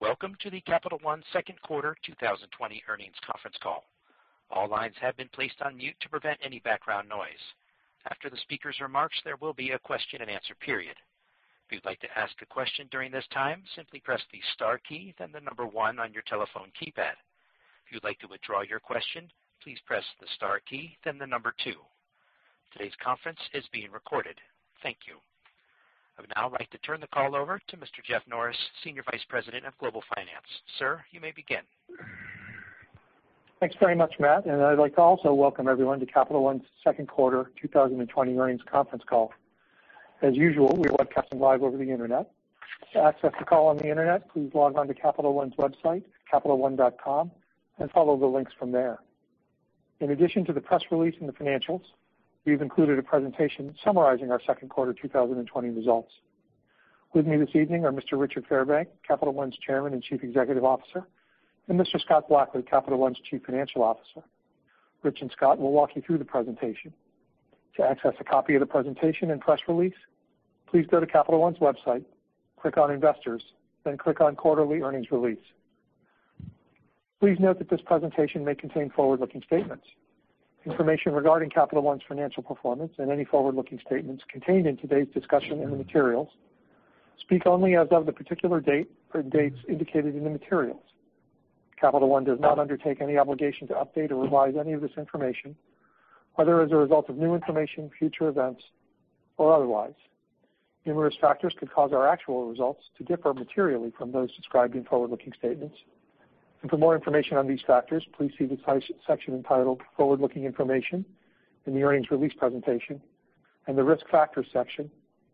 Welcome to the Capital One second quarter 2020 earnings conference call. All lines have been placed on mute to prevent any background noise. After the speaker's remarks, there will be a question and answer period. If you'd like to ask a question during this time, simply press the star key, then the number 1 on your telephone keypad. If you'd like to withdraw your question, please press the star key, then the number 2. Today's conference is being recorded. Thank you. I would now like to turn the call over to Mr. Jeff Norris, Senior Vice President of Global Finance. Sir, you may begin. Thanks very much, Matt, and I'd like to also welcome everyone to Capital One's second quarter 2020 earnings conference call. As usual, we are broadcasting live over the internet. To access the call on the internet, please log on to Capital One's website, capitalone.com, and follow the links from there. In addition to the press release and the financials, we've included a presentation summarizing our second quarter 2020 results. With me this evening are Mr. Richard Fairbank, Capital One's Chairman and Chief Executive Officer, and Mr. Scott Blackley, Capital One's Chief Financial Officer. Rich and Scott will walk you through the presentation. To access a copy of the presentation and press release, please go to Capital One's website, click on Investors, then click on Quarterly Earnings Release. Please note that this presentation may contain forward-looking statements. Information regarding Capital One's financial performance and any forward-looking statements contained in today's discussion and the materials speak only as of the particular date or dates indicated in the materials. Capital One does not undertake any obligation to update or revise any of this information, whether as a result of new information, future events, or otherwise. Numerous factors could cause our actual results to differ materially from those described in forward-looking statements. For more information on these factors, please see the section entitled Forward-Looking Information in the earnings release presentation and the Risk Factors section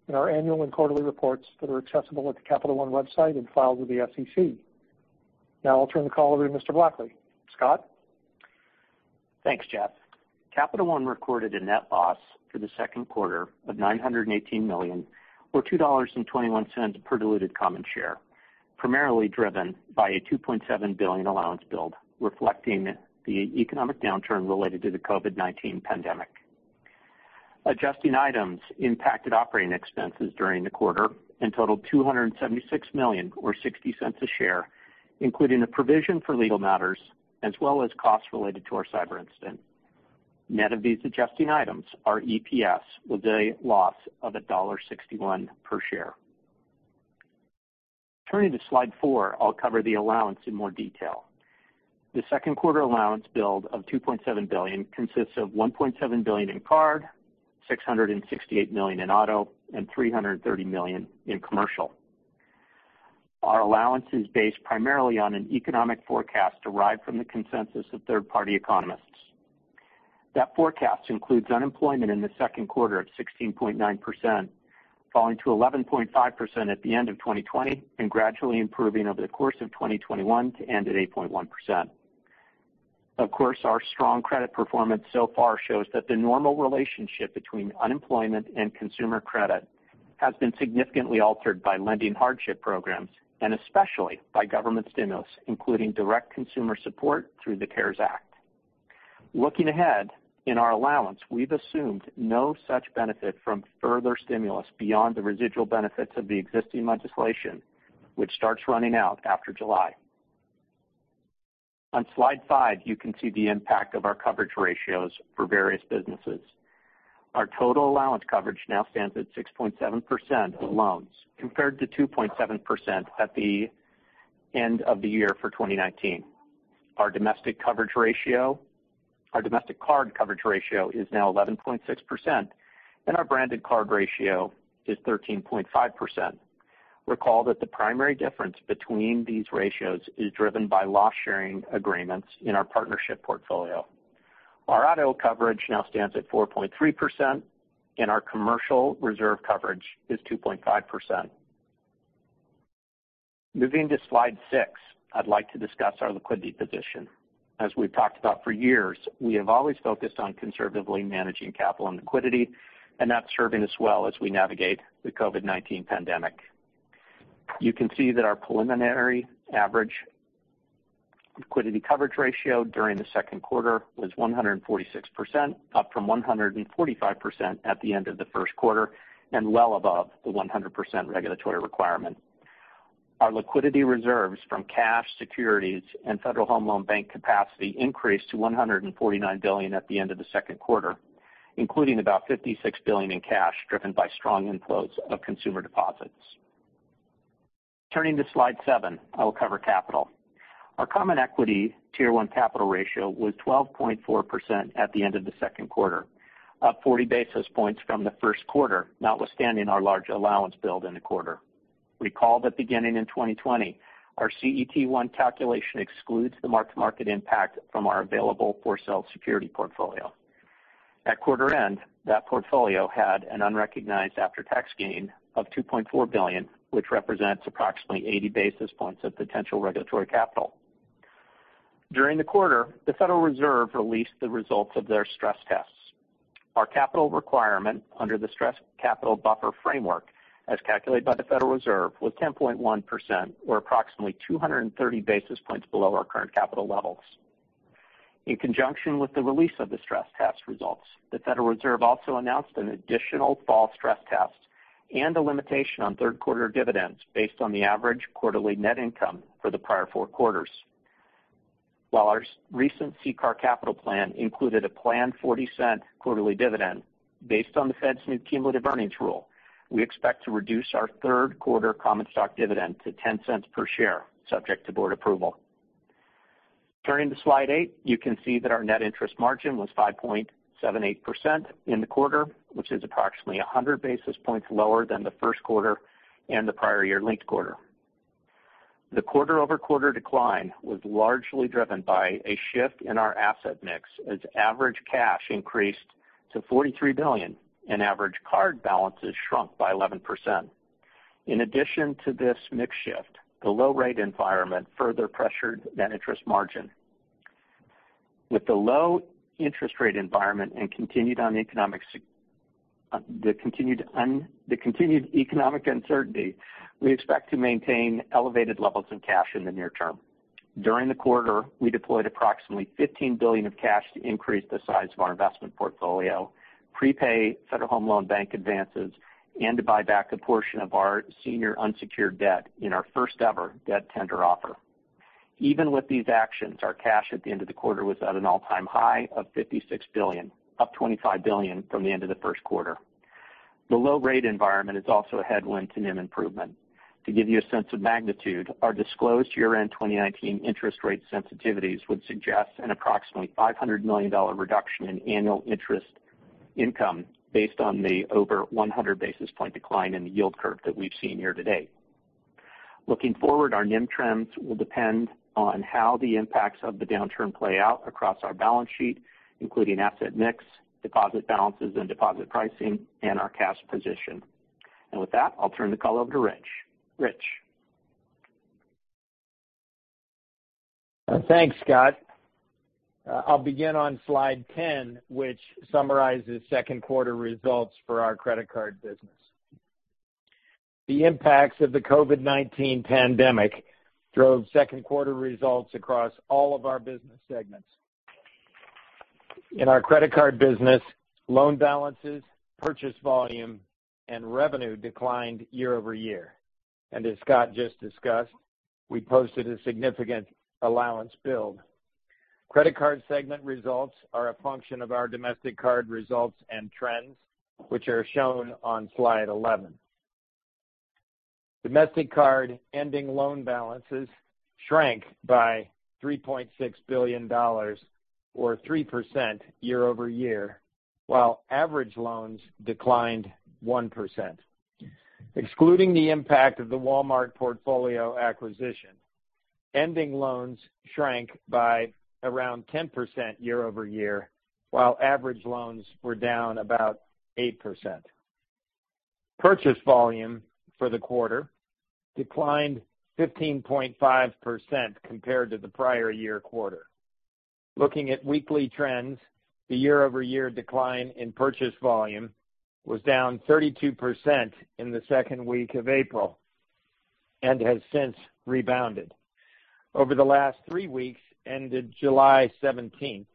in our annual and quarterly reports that are accessible at the Capital One website and filed with the SEC. Now I'll turn the call over to Mr. Blackley. Scott? Thanks, Jeff. Capital One recorded a net loss for the second quarter of $918 million or $2.21 per diluted common share, primarily driven by a $2.7 billion allowance build reflecting the economic downturn related to the COVID-19 pandemic. Adjusting items impacted operating expenses during the quarter and totaled $276 million or $0.60 a share, including a provision for legal matters as well as costs related to our cyber incident. Net of these adjusting items, our EPS was a loss of $1.61 per share. Turning to slide four, I'll cover the allowance in more detail. The second quarter allowance build of $2.7 billion consists of $1.7 billion in card, $668 million in auto, and $330 million in commercial. Our allowance is based primarily on an economic forecast derived from the consensus of third-party economists. That forecast includes unemployment in the second quarter of 16.9%, falling to 11.5% at the end of 2020 and gradually improving over the course of 2021 to end at 8.1%. Of course, our strong credit performance so far shows that the normal relationship between unemployment and consumer credit has been significantly altered by lending hardship programs and especially by government stimulus, including direct consumer support through the CARES Act. Looking ahead, in our allowance, we've assumed no such benefit from further stimulus beyond the residual benefits of the existing legislation, which starts running out after July. On slide five, you can see the impact of our coverage ratios for various businesses. Our total allowance coverage now stands at 6.7% of loans, compared to 2.7% at the end of the year for 2019. Our domestic card coverage ratio is now 11.6%, and our branded card ratio is 13.5%. Recall that the primary difference between these ratios is driven by loss-sharing agreements in our partnership portfolio. Our auto coverage now stands at 4.3%, and our commercial reserve coverage is 2.5%. Moving to slide six, I'd like to discuss our liquidity position. As we've talked about for years, we have always focused on conservatively managing capital and liquidity, and that's serving us well as we navigate the COVID-19 pandemic. You can see that our preliminary average liquidity coverage ratio during the second quarter was 146%, up from 145% at the end of the first quarter, and well above the 100% regulatory requirement. Our liquidity reserves from cash, securities, and Federal Home Loan Bank capacity increased to $149 billion at the end of the second quarter, including about $56 billion in cash driven by strong inflows of consumer deposits. Turning to slide seven, I will cover capital. Our common equity Tier 1 capital ratio was 12.4% at the end of the second quarter, up 40 basis points from the first quarter, notwithstanding our large allowance build in the quarter. Recall that beginning in 2020, our CET1 calculation excludes the mark-to-market impact from our available for sale security portfolio. At quarter end, that portfolio had an unrecognized after-tax gain of $2.4 billion, which represents approximately 80 basis points of potential regulatory capital. During the quarter, the Federal Reserve released the results of their stress tests. Our capital requirement under the stress capital buffer framework, as calculated by the Federal Reserve, was 10.1% or approximately 230 basis points below our current capital levels. In conjunction with the release of the stress test results, the Federal Reserve also announced an additional fall stress test and a limitation on third-quarter dividends based on the average quarterly net income for the prior four quarters. While our recent CCAR capital plan included a planned $0.40 quarterly dividend, based on the Fed's new cumulative earnings rule, we expect to reduce our third-quarter common stock dividend to $0.10 per share, subject to board approval. Turning to slide eight, you can see that our net interest margin was 5.78% in the quarter, which is approximately 100 basis points lower than the first quarter and the prior year linked quarter. The quarter-over-quarter decline was largely driven by a shift in our asset mix as average cash increased to $43 billion and average card balances shrunk by 11%. In addition to this mix shift, the low rate environment further pressured net interest margin. With the low interest rate environment and the continued economic uncertainty, we expect to maintain elevated levels of cash in the near term. During the quarter, we deployed approximately $15 billion of cash to increase the size of our investment portfolio, prepay Federal Home Loan Bank advances, and to buy back a portion of our senior unsecured debt in our first-ever debt tender offer. Even with these actions, our cash at the end of the quarter was at an all-time high of $56 billion, up $25 billion from the end of the first quarter. The low rate environment is also a headwind to NIM improvement. To give you a sense of magnitude, our disclosed year-end 2019 interest rate sensitivities would suggest an approximately $500 million reduction in annual interest income based on the over 100 basis point decline in the yield curve that we've seen year to date. Looking forward, our NIM trends will depend on how the impacts of the downturn play out across our balance sheet, including asset mix, deposit balances and deposit pricing, and our cash position. With that, I'll turn the call over to Rich. Rich? Thanks, Scott. I'll begin on slide 10, which summarizes second quarter results for our credit card business. The impacts of the COVID-19 pandemic drove second quarter results across all of our business segments. In our credit card business, loan balances, purchase volume, and revenue declined year-over-year. As Scott just discussed, we posted a significant allowance build. Credit card segment results are a function of our domestic card results and trends, which are shown on slide 11. Domestic card ending loan balances shrank by $3.6 billion, or 3% year-over-year, while average loans declined 1%. Excluding the impact of the Walmart portfolio acquisition, ending loans shrank by around 10% year-over-year, while average loans were down about 8%. Purchase volume for the quarter declined 15.5% compared to the prior year quarter. Looking at weekly trends, the year-over-year decline in purchase volume was down 32% in the second week of April and has since rebounded. Over the last three weeks, ended July 17th,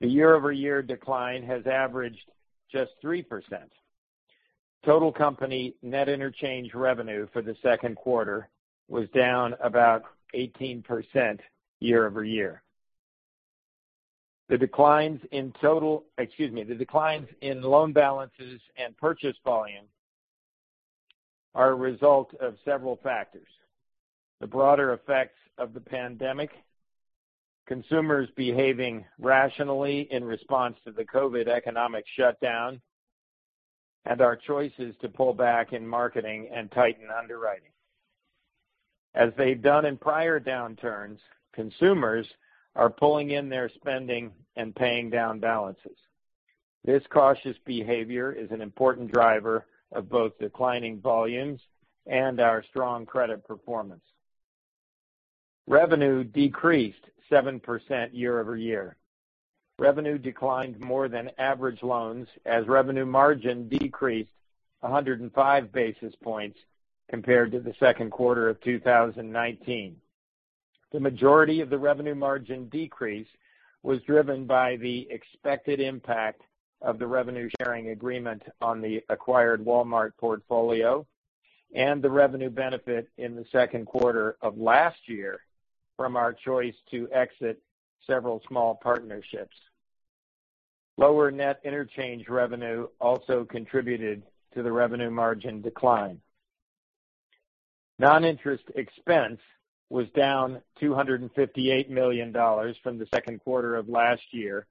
the year-over-year decline has averaged just 3%. Total company net interchange revenue for the second quarter was down about 18% year-over-year. The declines in— excuse me, the declines in loan balances and purchase volume are a result of several factors: the broader effects of the pandemic, consumers behaving rationally in response to the COVID economic shutdown, and our choices to pull back in marketing and tighten underwriting. As they've done in prior downturns, consumers are pulling in their spending and paying down balances. This cautious behavior is an important driver of both declining volumes and our strong credit performance. Revenue decreased 7% year-over-year. Revenue declined more than average loans as revenue margin decreased 105 basis points compared to the second quarter of 2019. The majority of the revenue margin decrease was driven by the expected impact of the revenue sharing agreement on the acquired Walmart portfolio and the revenue benefit in the second quarter of last year from our choice to exit several small partnerships. Lower net interchange revenue also contributed to the revenue margin decline. Non-interest expense was down $258 million from the second quarter of last year,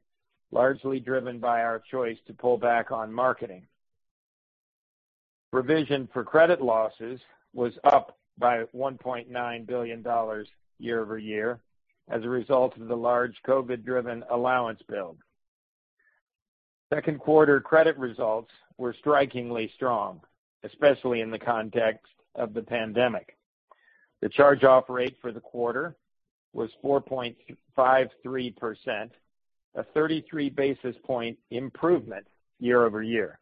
largely driven by our choice to pull back on marketing. Provision for credit losses was up by $1.9 billion year-over-year as a result of the large COVID-driven allowance build. Second quarter credit results were strikingly strong, especially in the context of the pandemic. The charge-off rate for the quarter was 4.53%, a 33 basis point improvement year-over-year.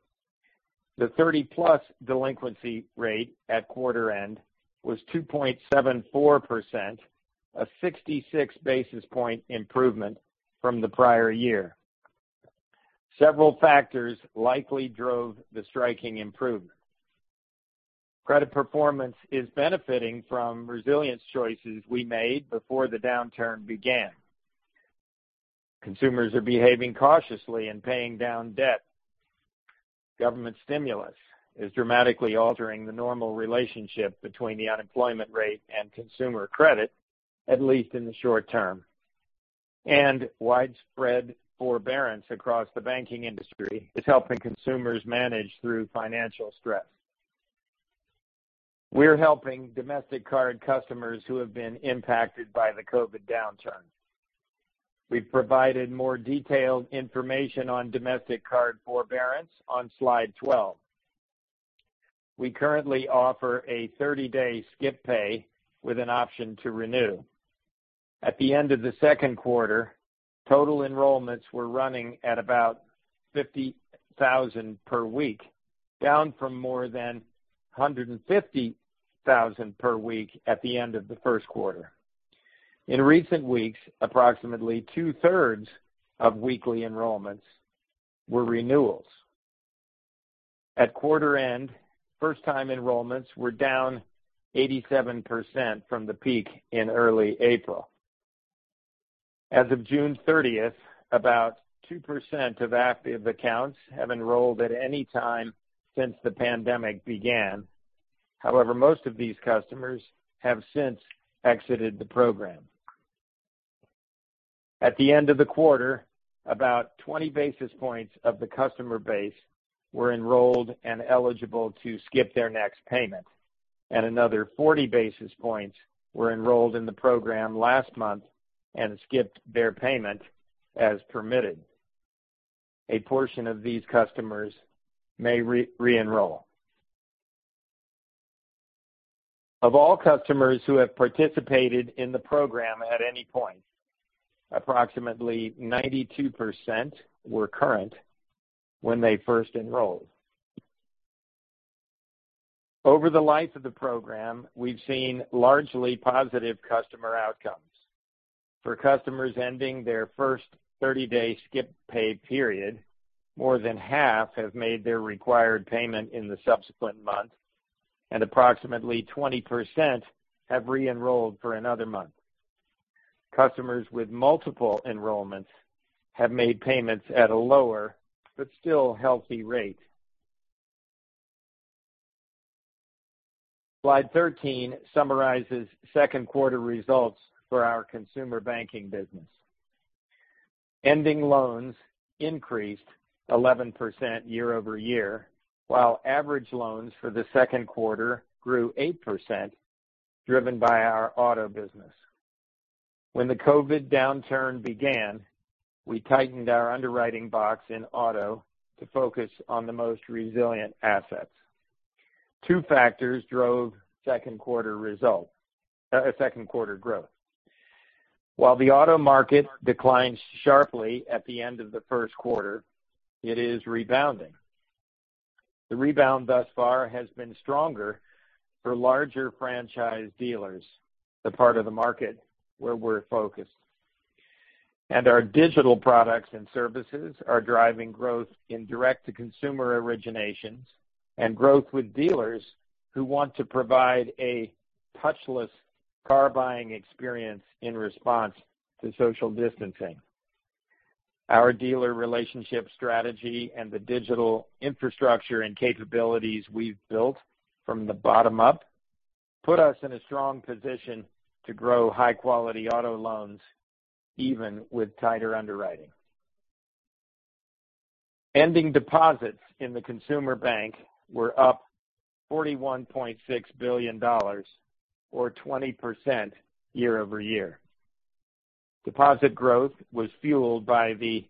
The 30-plus delinquency rate at quarter end was 2.74%, a 66 basis point improvement from the prior year. Several factors likely drove the striking improvement. Credit performance is benefiting from resilience choices we made before the downturn began. Consumers are behaving cautiously and paying down debt. Government stimulus is dramatically altering the normal relationship between the unemployment rate and consumer credit, at least in the short term. Widespread forbearance across the banking industry is helping consumers manage through financial stress. We're helping domestic card customers who have been impacted by the COVID-19 downturn. We've provided more detailed information on domestic card forbearance on slide 12. We currently offer a 30-day skip pay with an option to renew. At the end of the second quarter, total enrollments were running at about 50,000 per week, down from more than 150,000 per week at the end of the first quarter. In recent weeks, approximately two-thirds of weekly enrollments were renewals. At quarter end, first-time enrollments were down 87% from the peak in early April. As of June 30th, about 2% of active accounts have enrolled at any time since the pandemic began. However, most of these customers have since exited the program. At the end of the quarter, about 20 basis points of the customer base were enrolled and eligible to skip their next payment, and another 40 basis points were enrolled in the program last month and skipped their payment as permitted. A portion of these customers may re-enroll. Of all customers who have participated in the program at any point, approximately 92% were current when they first enrolled. Over the life of the program, we've seen largely positive customer outcomes. For customers ending their first 30-day skip pay period, more than half have made their required payment in the subsequent month, and approximately 20% have re-enrolled for another month. Customers with multiple enrollments have made payments at a lower but still healthy rate. Slide 13 summarizes second quarter results for our consumer banking business. Ending loans increased 11% year-over-year, while average loans for the second quarter grew 8%, driven by our auto business. When the COVID downturn began, we tightened our underwriting box in auto to focus on the most resilient assets. Two factors drove second quarter growth. While the auto market declined sharply at the end of the first quarter, it is rebounding. The rebound thus far has been stronger for larger franchise dealers, the part of the market where we're focused. Our digital products and services are driving growth in direct-to-consumer originations and growth with dealers who want to provide a touchless car buying experience in response to social distancing. Our dealer relationship strategy and the digital infrastructure and capabilities we've built from the bottom up put us in a strong position to grow high-quality auto loans, even with tighter underwriting. Ending deposits in the consumer bank were up $41.6 billion, or 20% year-over-year. Deposit growth was fueled by the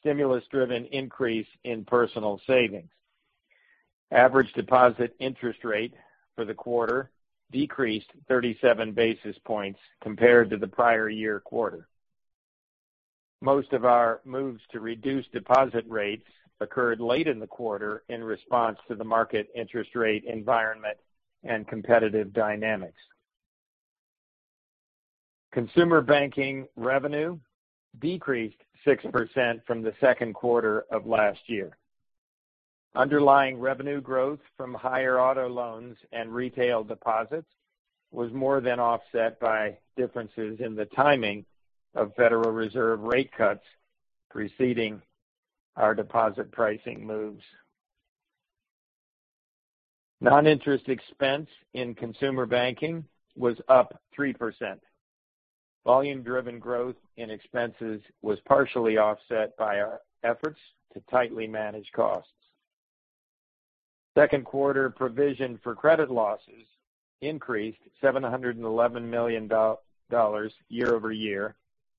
stimulus-driven increase in personal savings. Average deposit interest rate for the quarter decreased 37 basis points compared to the prior year quarter. Most of our moves to reduce deposit rates occurred late in the quarter in response to the market interest rate environment and competitive dynamics. Consumer banking revenue decreased 6% from the second quarter of last year. Underlying revenue growth from higher auto loans and retail deposits was more than offset by differences in the timing of Federal Reserve rate cuts preceding our deposit pricing moves. Non-interest expense in consumer banking was up 3%. Volume-driven growth in expenses was partially offset by our efforts to tightly manage costs. Second quarter provision for credit losses increased $711 million year-over-year,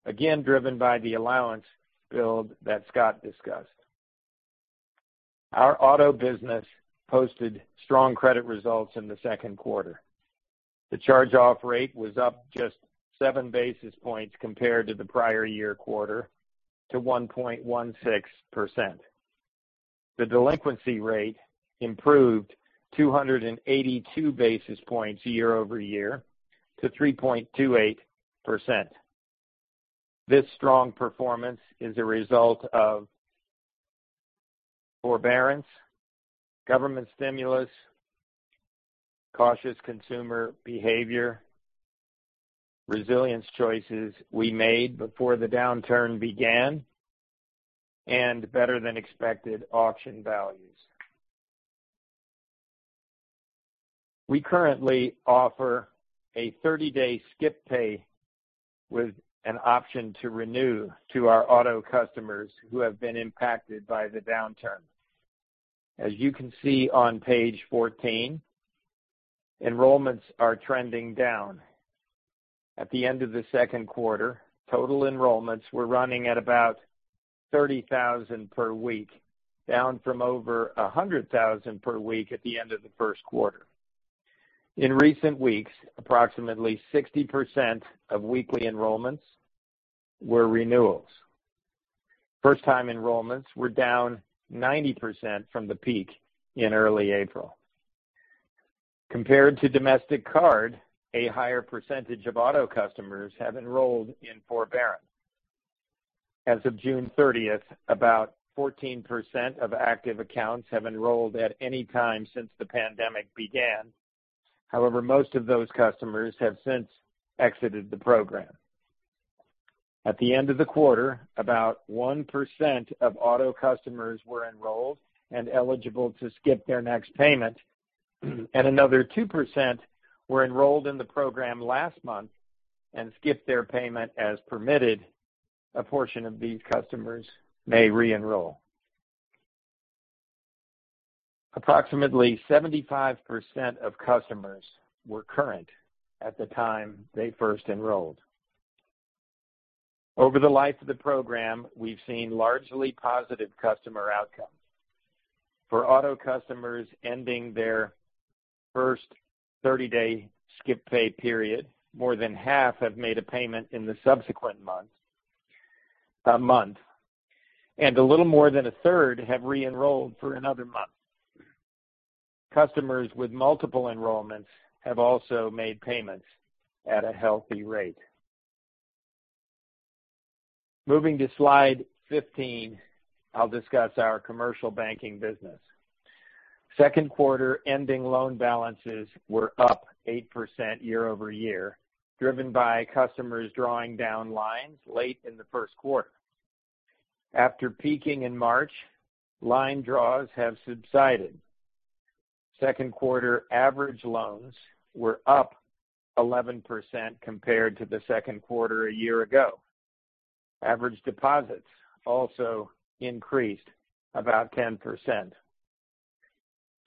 again, driven by the allowance build that Scott discussed. Our auto business posted strong credit results in the second quarter. The charge-off rate was up just seven basis points compared to the prior year quarter to 1.16%. The delinquency rate improved 82 basis points year-over-year to 3.28%. This strong performance is a result of forbearance, government stimulus, cautious consumer behavior, resilience choices we made before the downturn began, and better than expected auction values. We currently offer a 30-day skip pay with an option to renew to our auto customers who have been impacted by the downturn. As you can see on page 14, enrollments are trending down. At the end of the second quarter, total enrollments were running at about 30,000 per week, down from over 100,000 per week at the end of the first quarter. In recent weeks, approximately 60% of weekly enrollments were renewals. First-time enrollments were down 90% from the peak in early April. Compared to domestic card, a higher percentage of auto customers have enrolled in forbearance. As of June 30th, about 14% of active accounts have enrolled at any time since the pandemic began. However, most of those customers have since exited the program. At the end of the quarter, about 1% of auto customers were enrolled and eligible to skip their next payment, and another 2% were enrolled in the program last month and skipped their payment as permitted. A portion of these customers may re-enroll. Approximately 75% of customers were current at the time they first enrolled. Over the life of the program, we've seen largely positive customer outcomes. For auto customers ending their first 30-day skip pay period, more than half have made a payment in the subsequent month. A little more than a third have re-enrolled for another month. Customers with multiple enrollments have also made payments at a healthy rate. Moving to slide 15, I'll discuss our commercial banking business. Second quarter ending loan balances were up 8% year-over-year, driven by customers drawing down lines late in the first quarter. After peaking in March, line draws have subsided. Second quarter average loans were up 11% compared to the second quarter a year ago. Average deposits also increased about 10%.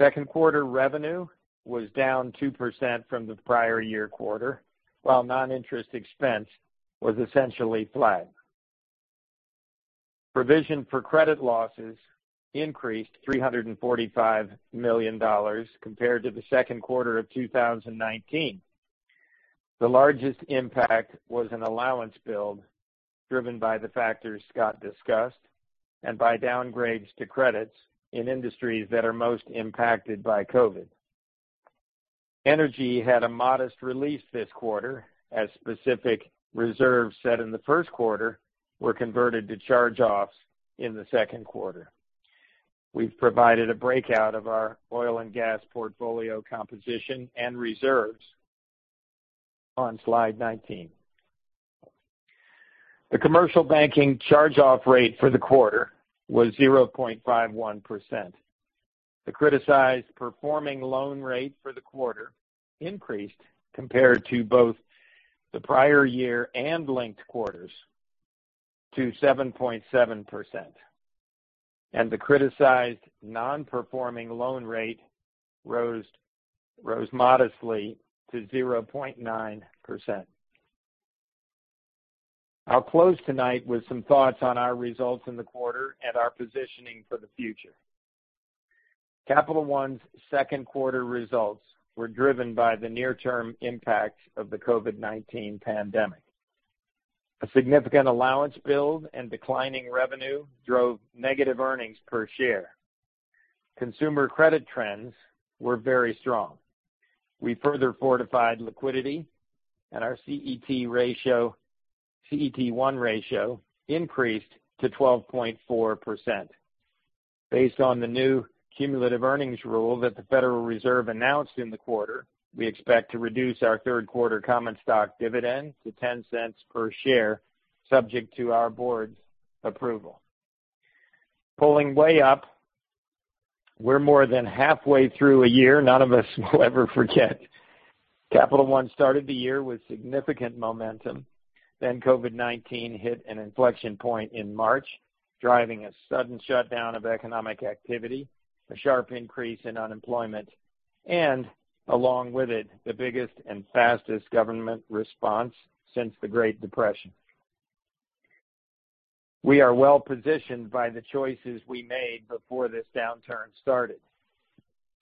Second quarter revenue was down 2% from the prior year quarter, while non-interest expense was essentially flat. Provision for credit losses increased $345 million compared to the second quarter of 2019. The largest impact was an allowance build driven by the factors Scott discussed and by downgrades to credits in industries that are most impacted by COVID. Energy had a modest release this quarter, as specific reserves set in the first quarter were converted to charge-offs in the second quarter. We've provided a breakout of our oil and gas portfolio composition and reserves on slide 19. The commercial banking charge-off rate for the quarter was 0.51%. The criticized performing loan rate for the quarter increased compared to both the prior year and linked quarters to 7.7%. The criticized non-performing loan rate rose modestly to 0.9%. I'll close tonight with some thoughts on our results in the quarter and our positioning for the future. Capital One's second quarter results were driven by the near-term impacts of the COVID-19 pandemic. A significant allowance build and declining revenue drove negative earnings per share. Consumer credit trends were very strong. We further fortified liquidity and our CET1 ratio increased to 12.4%. Based on the new cumulative earnings rule that the Federal Reserve announced in the quarter, we expect to reduce our third quarter common stock dividend to $0.10 per share, subject to our board's approval. Pulling way up, we're more than halfway through a year none of us will ever forget. Capital One started the year with significant momentum. COVID-19 hit an inflection point in March, driving a sudden shutdown of economic activity, a sharp increase in unemployment, and along with it, the biggest and fastest government response since the Great Depression. We are well positioned by the choices we made before this downturn started.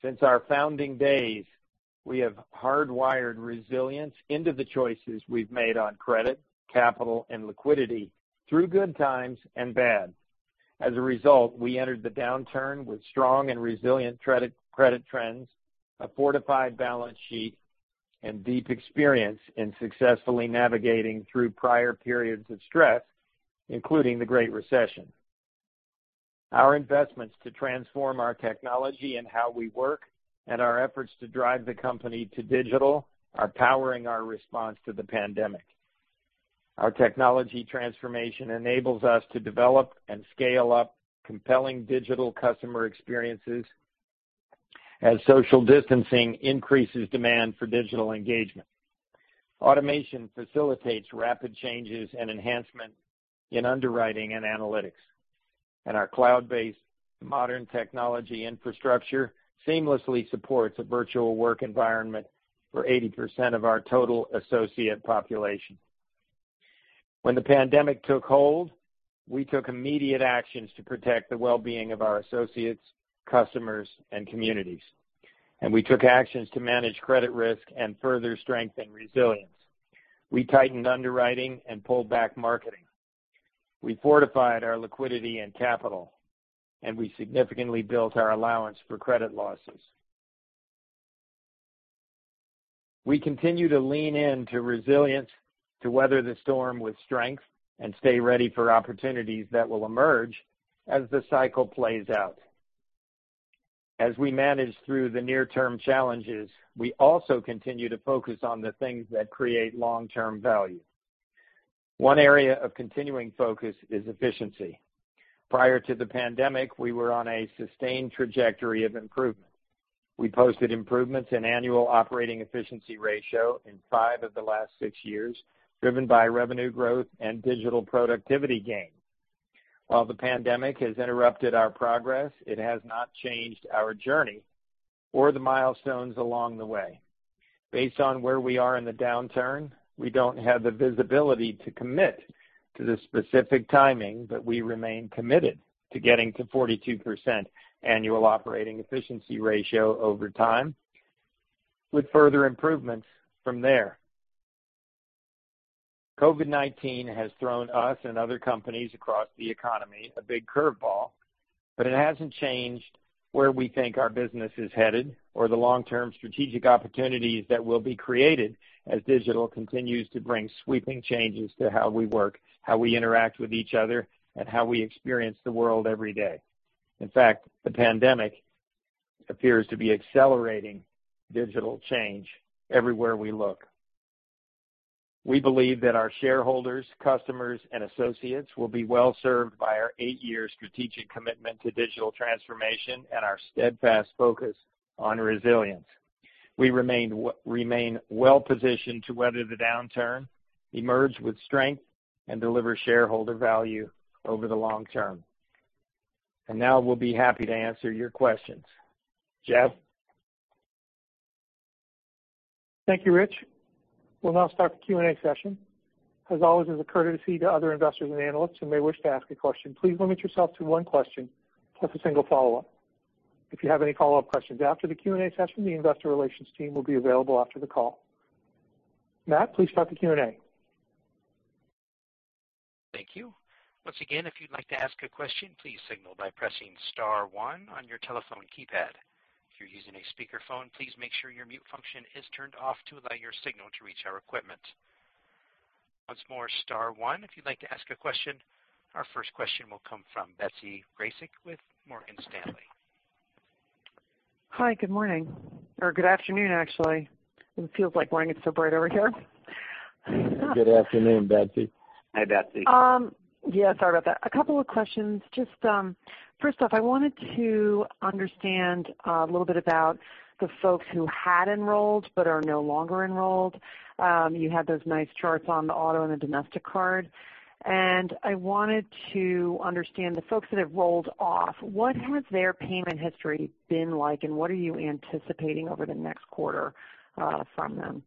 Since our founding days, we have hardwired resilience into the choices we've made on credit, capital, and liquidity through good times and bad. As a result, we entered the downturn with strong and resilient credit trends, a fortified balance sheet, and deep experience in successfully navigating through prior periods of stress, including the Great Recession. Our investments to transform our technology and how we work, and our efforts to drive the company to digital are powering our response to the pandemic. Our technology transformation enables us to develop and scale up compelling digital customer experiences as social distancing increases demand for digital engagement. Automation facilitates rapid changes and enhancement in underwriting and analytics. Our cloud-based modern technology infrastructure seamlessly supports a virtual work environment for 80% of our total associate population. When the pandemic took hold, we took immediate actions to protect the wellbeing of our associates, customers, and communities. We took actions to manage credit risk and further strengthen resilience. We tightened underwriting and pulled back marketing. We fortified our liquidity and capital, and we significantly built our allowance for credit losses. We continue to lean into resilience to weather the storm with strength and stay ready for opportunities that will emerge as the cycle plays out. As we manage through the near-term challenges, we also continue to focus on the things that create long-term value. One area of continuing focus is efficiency. Prior to the pandemic, we were on a sustained trajectory of improvement. We posted improvements in annual operating efficiency ratio in five of the last six years, driven by revenue growth and digital productivity gains. While the pandemic has interrupted our progress, it has not changed our journey or the milestones along the way. Based on where we are in the downturn, we don't have the visibility to commit to the specific timing, but we remain committed to getting to 42% annual operating efficiency ratio over time, with further improvements from there. COVID-19 has thrown us and other companies across the economy a big curveball, but it hasn't changed where we think our business is headed or the long-term strategic opportunities that will be created as digital continues to bring sweeping changes to how we work, how we interact with each other, and how we experience the world every day. In fact, the pandemic appears to be accelerating digital change everywhere we look. We believe that our eight-year strategic commitment to digital transformation and our steadfast focus on resilience will serve our shareholders, customers, and associates well. We remain well-positioned to weather the downturn, emerge with strength, and deliver shareholder value over the long term. Now we'll be happy to answer your questions. Jeff? Thank you, Rich. We'll now start the Q&A session. As always, as a courtesy to other investors and analysts who may wish to ask a question, please limit yourself to one question, plus a single follow-up. If you have any follow-up questions after the Q&A session, the investor relations team will be available after the call. Matt, please start the Q&A. Thank you. Once again, if you'd like to ask a question, please signal by pressing *1 on your telephone keypad. If you're using a speakerphone, please make sure your mute function is turned off to allow your signal to reach our equipment. Once more, *1 if you'd like to ask a question. Our first question will come from Betsy Graseck with Morgan Stanley. Hi, good morning. Good afternoon, actually. It feels like morning, it's so bright over here. Good afternoon, Betsy. Hi, Betsy. Yeah, sorry about that. A couple of questions. Just first off, I wanted to understand a little bit about the folks who had enrolled but are no longer enrolled. You had those nice charts on the auto and the domestic card. I wanted to understand the folks that have rolled off, what has their payment history been like, and what are you anticipating over the next quarter from them?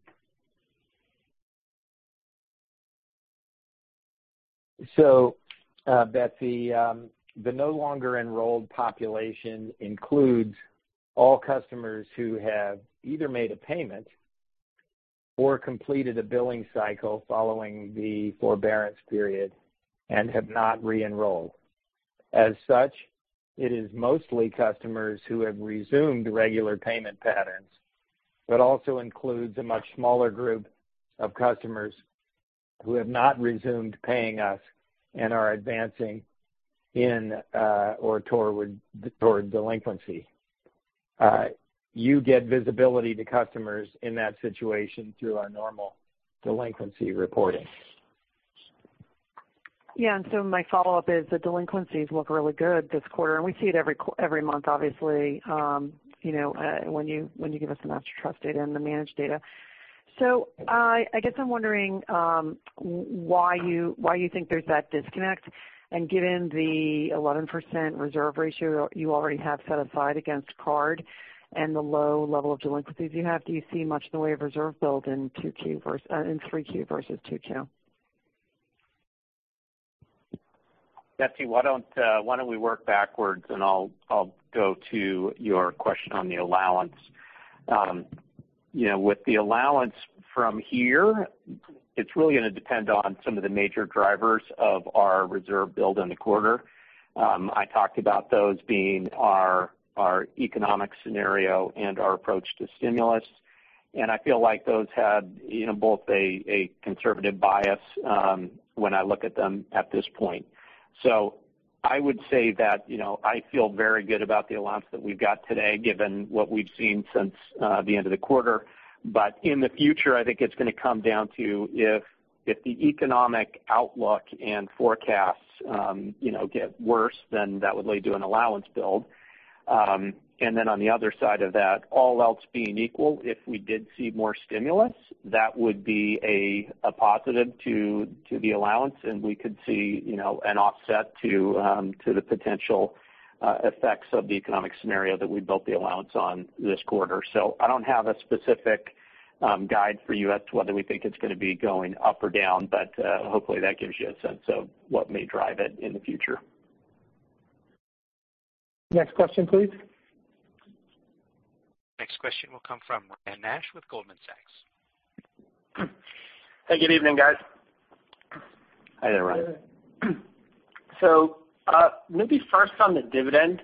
Betsy, the no-longer-enrolled population includes all customers who have either made a payment or completed a billing cycle following the forbearance period and have not re-enrolled. As such, it is mostly customers who have resumed regular payment patterns, but also includes a much smaller group of customers who have not resumed paying us and are advancing in or toward delinquency. You get visibility to customers in that situation through our normal delinquency reporting. My follow-up is the delinquencies look really good this quarter, and we see it every month, obviously, when you give us the Master Trust data and the managed data. I guess I'm wondering why you think there's that disconnect? Given the 11% reserve ratio you already have set aside against card and the low level of delinquencies you have, do you see much in the way of reserve build in 3Q versus 2Q? Betsy, why don't we work backwards. I'll go to your question on the allowance. With the allowance from here, it's really going to depend on some of the major drivers of our reserve build in the quarter. I talked about those being our economic scenario and our approach to stimulus. I feel like those have both a conservative bias when I look at them at this point. I would say that I feel very good about the allowance that we've got today, given what we've seen since the end of the quarter. In the future, I think it's going to come down to if the economic outlook and forecasts get worse, that would lead to an allowance build. On the other side of that, all else being equal, if we did see more stimulus, that would be a positive to the allowance and we could see an offset to the potential effects of the economic scenario that we built the allowance on this quarter. I don't have a specific guide for you as to whether we think it's going to be going up or down. Hopefully, that gives you a sense of what may drive it in the future. Next question, please. Next question will come from Ryan Nash with Goldman Sachs. Hey, good evening, guys. Hi there, Ryan. Maybe first on the dividend.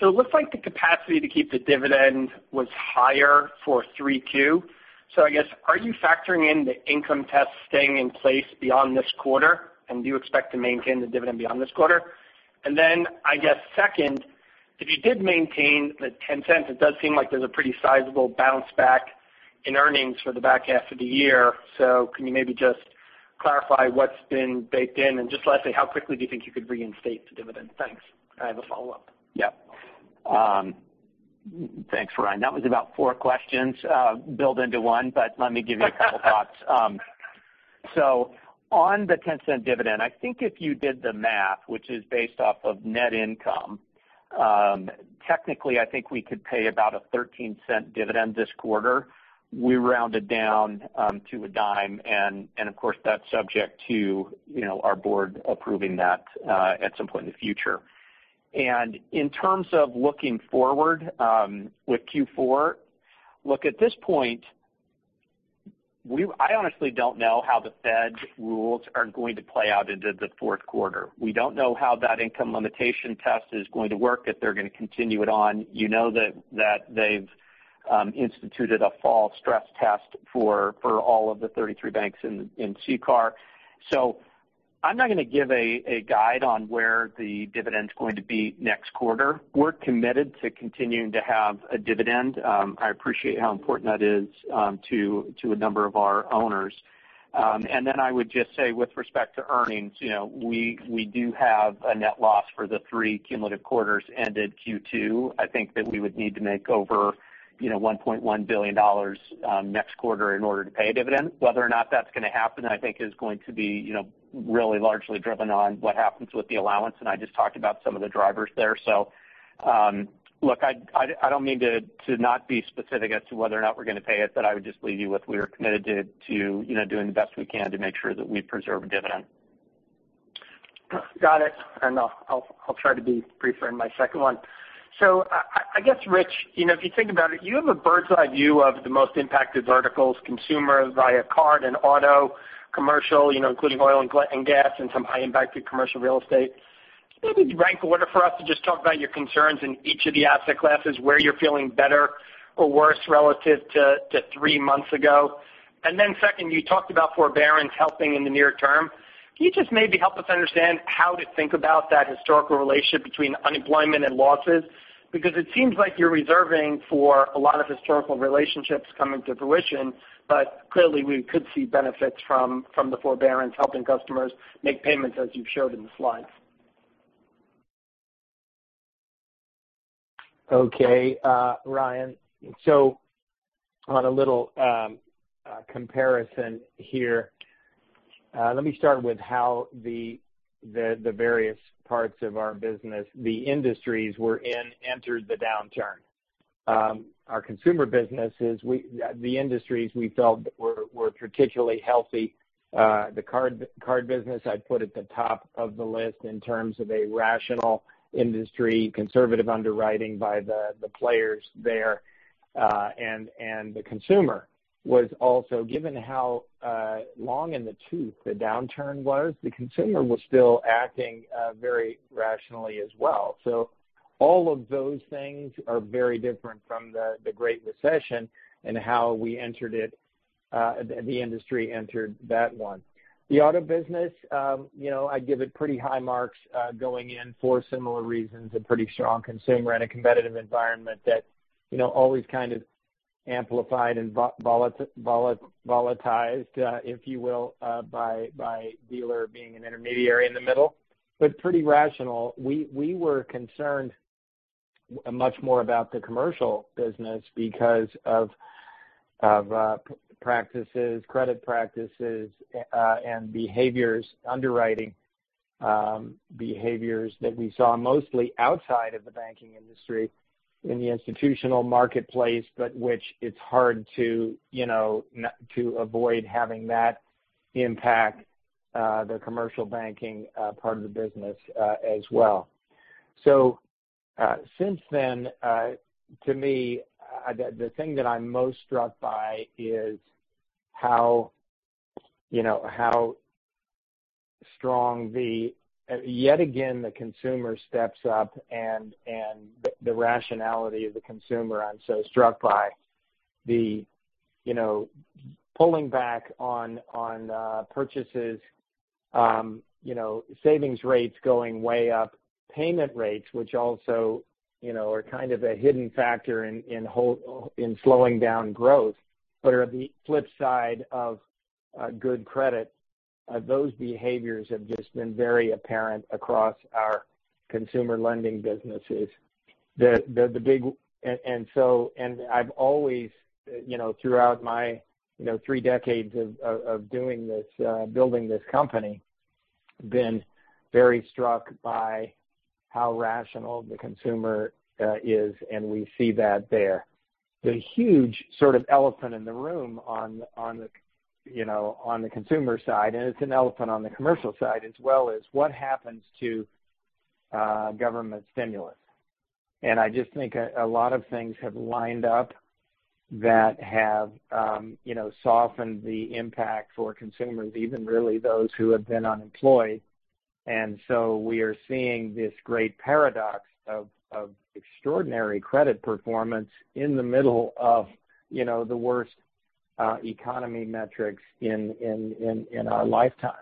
It looks like the capacity to keep the dividend was higher for 3Q. I guess, are you factoring in the income test staying in place beyond this quarter, and do you expect to maintain the dividend beyond this quarter? Then, I guess second, if you did maintain the $0.10, it does seem like there's a pretty sizable bounce back in earnings for the back half of the year. Can you maybe just clarify what's been baked in? Just lastly, how quickly do you think you could reinstate the dividend? Thanks. I have a follow-up. Yeah. Thanks, Ryan. That was about four questions built into one, but let me give you a couple thoughts. On the $0.10 dividend, I think if you did the math, which is based off of net income, technically I think we could pay about a $0.13 dividend this quarter. We rounded down to a $0.10, and of course, that's subject to our board approving that at some point in the future. In terms of looking forward with Q4, look, at this point, I honestly don't know how the Fed's rules are going to play out into the fourth quarter. We don't know how that income limitation test is going to work, if they're going to continue it on. You know that they've instituted a fall stress test for all of the 33 banks in CCAR. I'm not going to give a guide on where the dividend's going to be next quarter. We're committed to continuing to have a dividend. I appreciate how important that is to a number of our owners. I would just say, with respect to earnings, we do have a net loss for the three cumulative quarters ended Q2. I think that we would need to make over $1.1 billion next quarter in order to pay a dividend. Whether or not that's going to happen, I think is going to be really largely driven on what happens with the allowance, and I just talked about some of the drivers there. Look, I don't mean to not be specific as to whether or not we're going to pay it, but I would just leave you with we are committed to doing the best we can to make sure that we preserve a dividend. Got it. I'll try to be briefer in my second one. I guess, Rich, if you think about it, you have a bird's eye view of the most impacted verticals, consumer via card and auto, commercial including oil and gas, and some high impacted commercial real estate. Maybe rank order for us to just talk about your concerns in each of the asset classes, where you're feeling better or worse relative to three months ago. Second, you talked about forbearance helping in the near term. Can you just maybe help us understand how to think about that historical relationship between unemployment and losses? It seems like you're reserving for a lot of historical relationships coming to fruition, but clearly we could see benefits from the forbearance helping customers make payments as you've showed in the slides. Okay. Ryan. On a little comparison here. Let me start with how the various parts of our business, the industries we're in, entered the downturn. Our consumer businesses, the industries we felt were particularly healthy. The card business I'd put at the top of the list in terms of a rational industry, conservative underwriting by the players there. The consumer was also, given how long in the tooth the downturn was, the consumer was still acting very rationally as well. All of those things are very different from the Great Recession and how we entered it, the industry entered that one. The auto business, I'd give it pretty high marks going in for similar reasons. A pretty strong consumer in a competitive environment that always kind of amplified and volatilized, if you will, by dealer being an intermediary in the middle. Pretty rational. We were concerned much more about the commercial business because of practices, credit practices and behaviors, underwriting behaviors that we saw mostly outside of the banking industry. In the institutional marketplace, but which it's hard to avoid having that impact the commercial banking part of the business as well. Since then, to me, the thing that I'm most struck by is how strong Yet again, the consumer steps up and the rationality of the consumer, I'm so struck by the pulling back on purchases, savings rates going way up, payment rates, which also are kind of a hidden factor in slowing down growth, but are the flip side of good credit. Those behaviors have just been very apparent across our consumer lending businesses. I've always, throughout my three decades of doing this, building this company, been very struck by how rational the consumer is, and we see that there. The huge sort of elephant in the room on the consumer side, and it's an elephant on the commercial side as well, is what happens to government stimulus. I just think a lot of things have lined up that have softened the impact for consumers, even really those who have been unemployed. We are seeing this great paradox of extraordinary credit performance in the middle of the worst economy metrics in our lifetimes.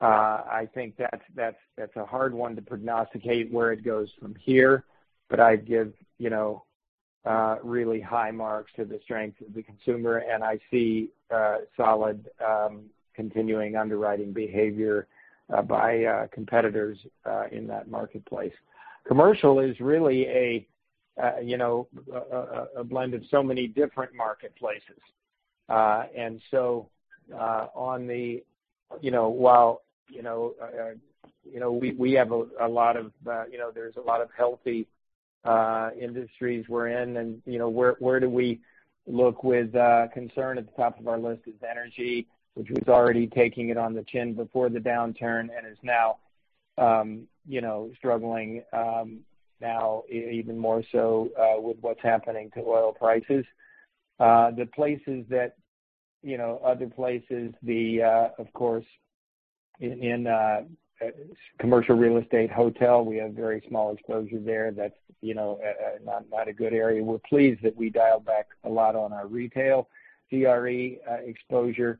I think that's a hard one to prognosticate where it goes from here. I give really high marks to the strength of the consumer, and I see solid continuing underwriting behavior by competitors in that marketplace. Commercial is really a blend of so many different marketplaces. There's a lot of healthy industries we're in and where do we look with concern? At the top of our list is energy, which was already taking it on the chin before the downturn and is now struggling now even more so with what's happening to oil prices. Other places, of course, in commercial real estate, hotel, we have very small exposure there. That's not a good area. We're pleased that we dialed back a lot on our retail CRE exposure,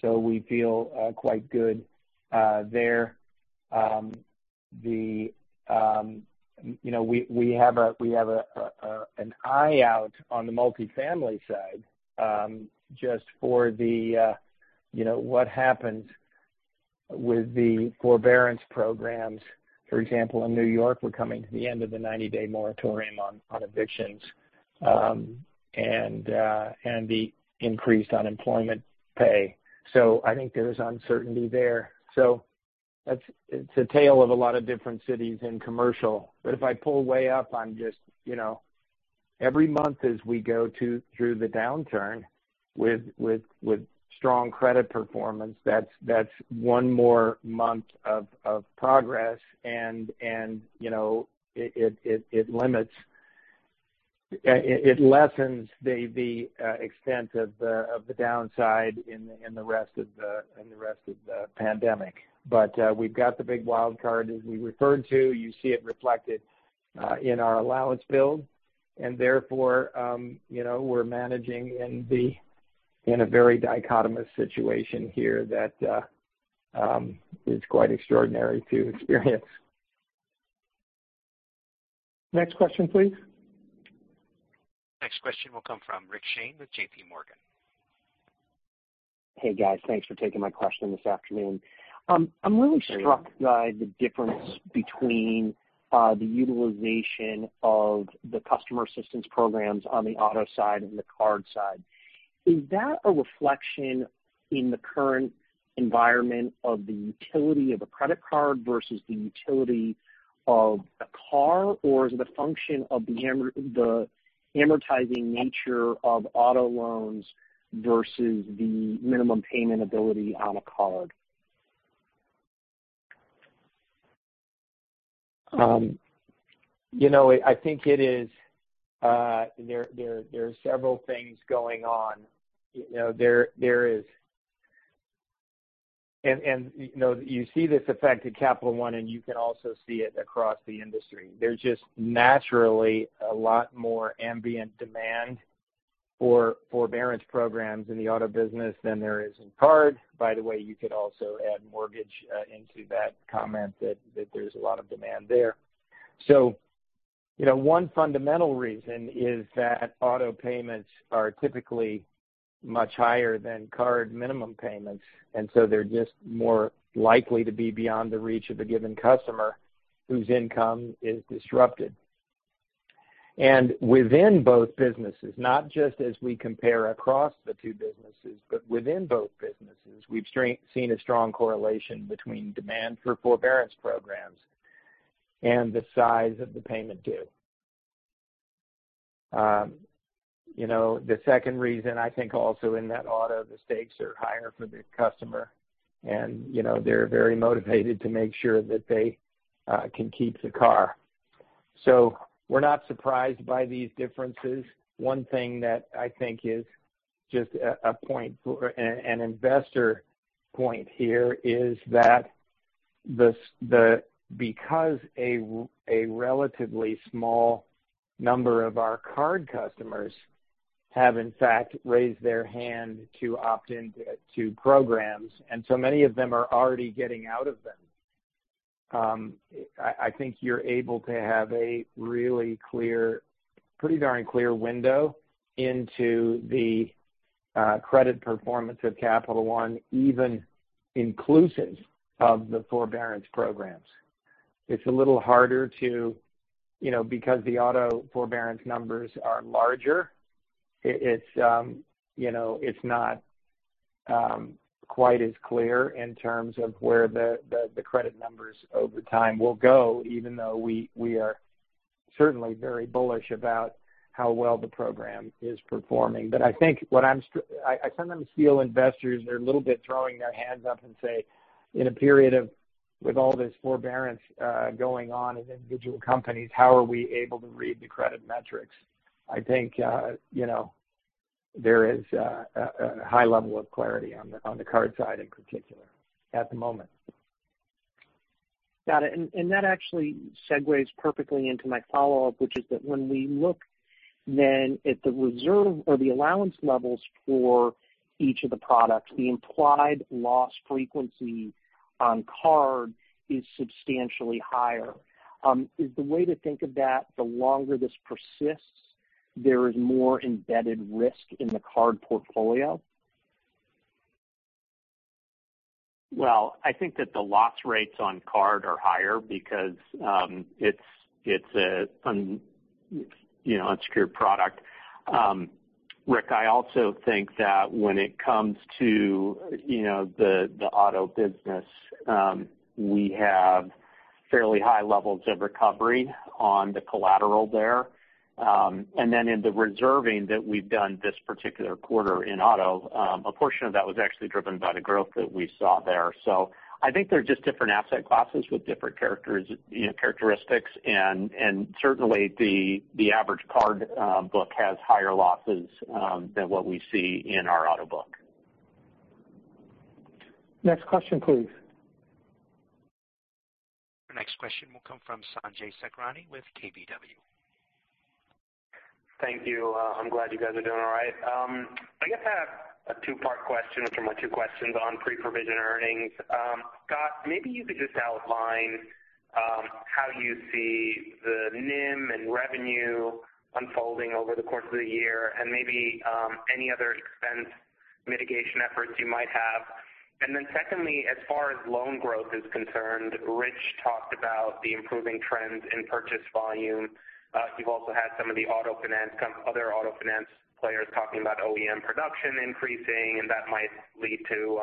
so we feel quite good there. We have an eye out on the multifamily side just for what happens with the forbearance programs. For example, in New York, we're coming to the end of the 90-day moratorium on evictions and the increased unemployment pay. I think there's uncertainty there. It's a tale of a lot of different cities in commercial. If I pull way up, every month as we go through the downturn with strong credit performance, that's one more month of progress. It lessens the extent of the downside in the rest of the pandemic. We've got the big wild card as we referred to. You see it reflected in our allowance build, and therefore we're managing in a very dichotomous situation here that is quite extraordinary to experience. Next question, please. Next question will come from Richard Shane with JPMorgan. Hey, guys. Thanks for taking my question this afternoon. I'm really struck by the difference between the utilization of the customer assistance programs on the auto side and the card side. Is that a reflection in the current environment of the utility of a credit card versus the utility of a car? Is it a function of the amortizing nature of auto loans versus the minimum payment ability on a card? I think there's several things going on. You see this effect at Capital One, and you can also see it across the industry. There's just naturally a lot more ambient demand for forbearance programs in the auto business than there is in card. By the way, you could also add mortgage into that comment that there's a lot of demand there. One fundamental reason is that auto payments are typically much higher than card minimum payments, and so they're just more likely to be beyond the reach of a given customer whose income is disrupted. Within both businesses, not just as we compare across the two businesses, but within both businesses, we've seen a strong correlation between demand for forbearance programs and the size of the payment due. The second reason, I think also in that auto, the stakes are higher for the customer and they're very motivated to make sure that they can keep the car. We're not surprised by these differences. One thing that I think is just an investor point here is that because a relatively small number of our card customers have in fact raised their hand to opt in to programs, and so many of them are already getting out of them. I think you're able to have a really clear, pretty darn clear window into the credit performance of Capital One, even inclusive of the forbearance programs. It's a little harder to, because the auto forbearance numbers are larger. It's not quite as clear in terms of where the credit numbers over time will go, even though we are certainly very bullish about how well the program is performing. I think I sometimes feel investors are a little bit throwing their hands up and say, "In a period of with all this forbearance going on in individual companies, how are we able to read the credit metrics?" I think there is a high level of clarity on the card side in particular at the moment. Got it. That actually segues perfectly into my follow-up, which is that when we look then at the reserve or the allowance levels for each of the products, the implied loss frequency on card is substantially higher. Is the way to think of that, the longer this persists, there is more embedded risk in the card portfolio? Well, I think that the loss rates on card are higher because it's an unsecured product. Rick, I also think that when it comes to the auto business, we have fairly high levels of recovery on the collateral there. In the reserving that we've done this particular quarter in auto, a portion of that was actually driven by the growth that we saw there. I think they're just different asset classes with different characteristics, and certainly the average card book has higher losses than what we see in our auto book. Next question, please. The next question will come from Sanjay Sakhrani with KBW. Thank you. I'm glad you guys are doing all right. I guess I have a two-part question or two questions on pre-provision earnings. Scott, maybe you could just outline how you see the NIM and revenue unfolding over the course of the year and maybe any other expense mitigation efforts you might have. Secondly, as far as loan growth is concerned, Rich talked about the improving trends in purchase volume. You've also had some of the other auto finance players talking about OEM production increasing, and that might lead to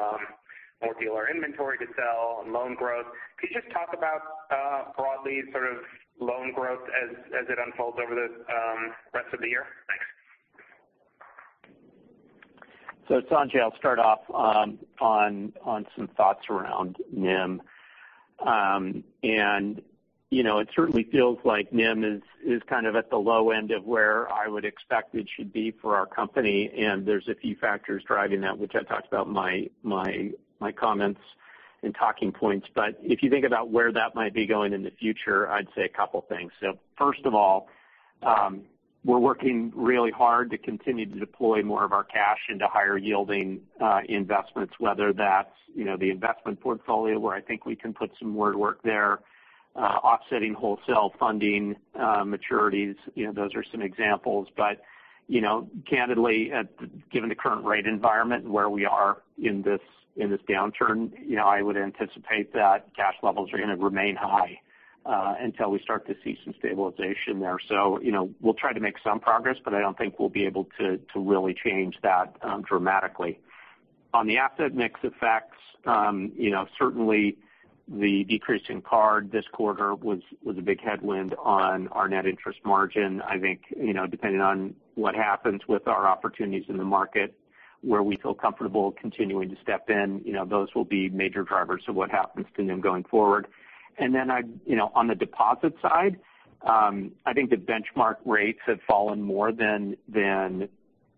more dealer inventory to sell and loan growth. Could you just talk about broadly loan growth as it unfolds over the rest of the year? Thanks. Sanjay, I'll start off on some thoughts around NIM. It certainly feels like NIM is kind of at the low end of where I would expect it should be for our company, and there's a few factors driving that, which I've talked about in my comments and talking points. If you think about where that might be going in the future, I'd say a couple things. First of all, we're working really hard to continue to deploy more of our cash into higher yielding investments, whether that's the investment portfolio where I think we can put some more work there offsetting wholesale funding maturities. Those are some examples. Candidly, given the current rate environment and where we are in this downturn, I would anticipate that cash levels are going to remain high until we start to see some stabilization there. We'll try to make some progress, but I don't think we'll be able to really change that dramatically. On the asset mix effects, certainly the decrease in card this quarter was a big headwind on our net interest margin. I think depending on what happens with our opportunities in the market where we feel comfortable continuing to step in, those will be major drivers to what happens to NIM going forward. On the deposit side, I think the benchmark rates have fallen more than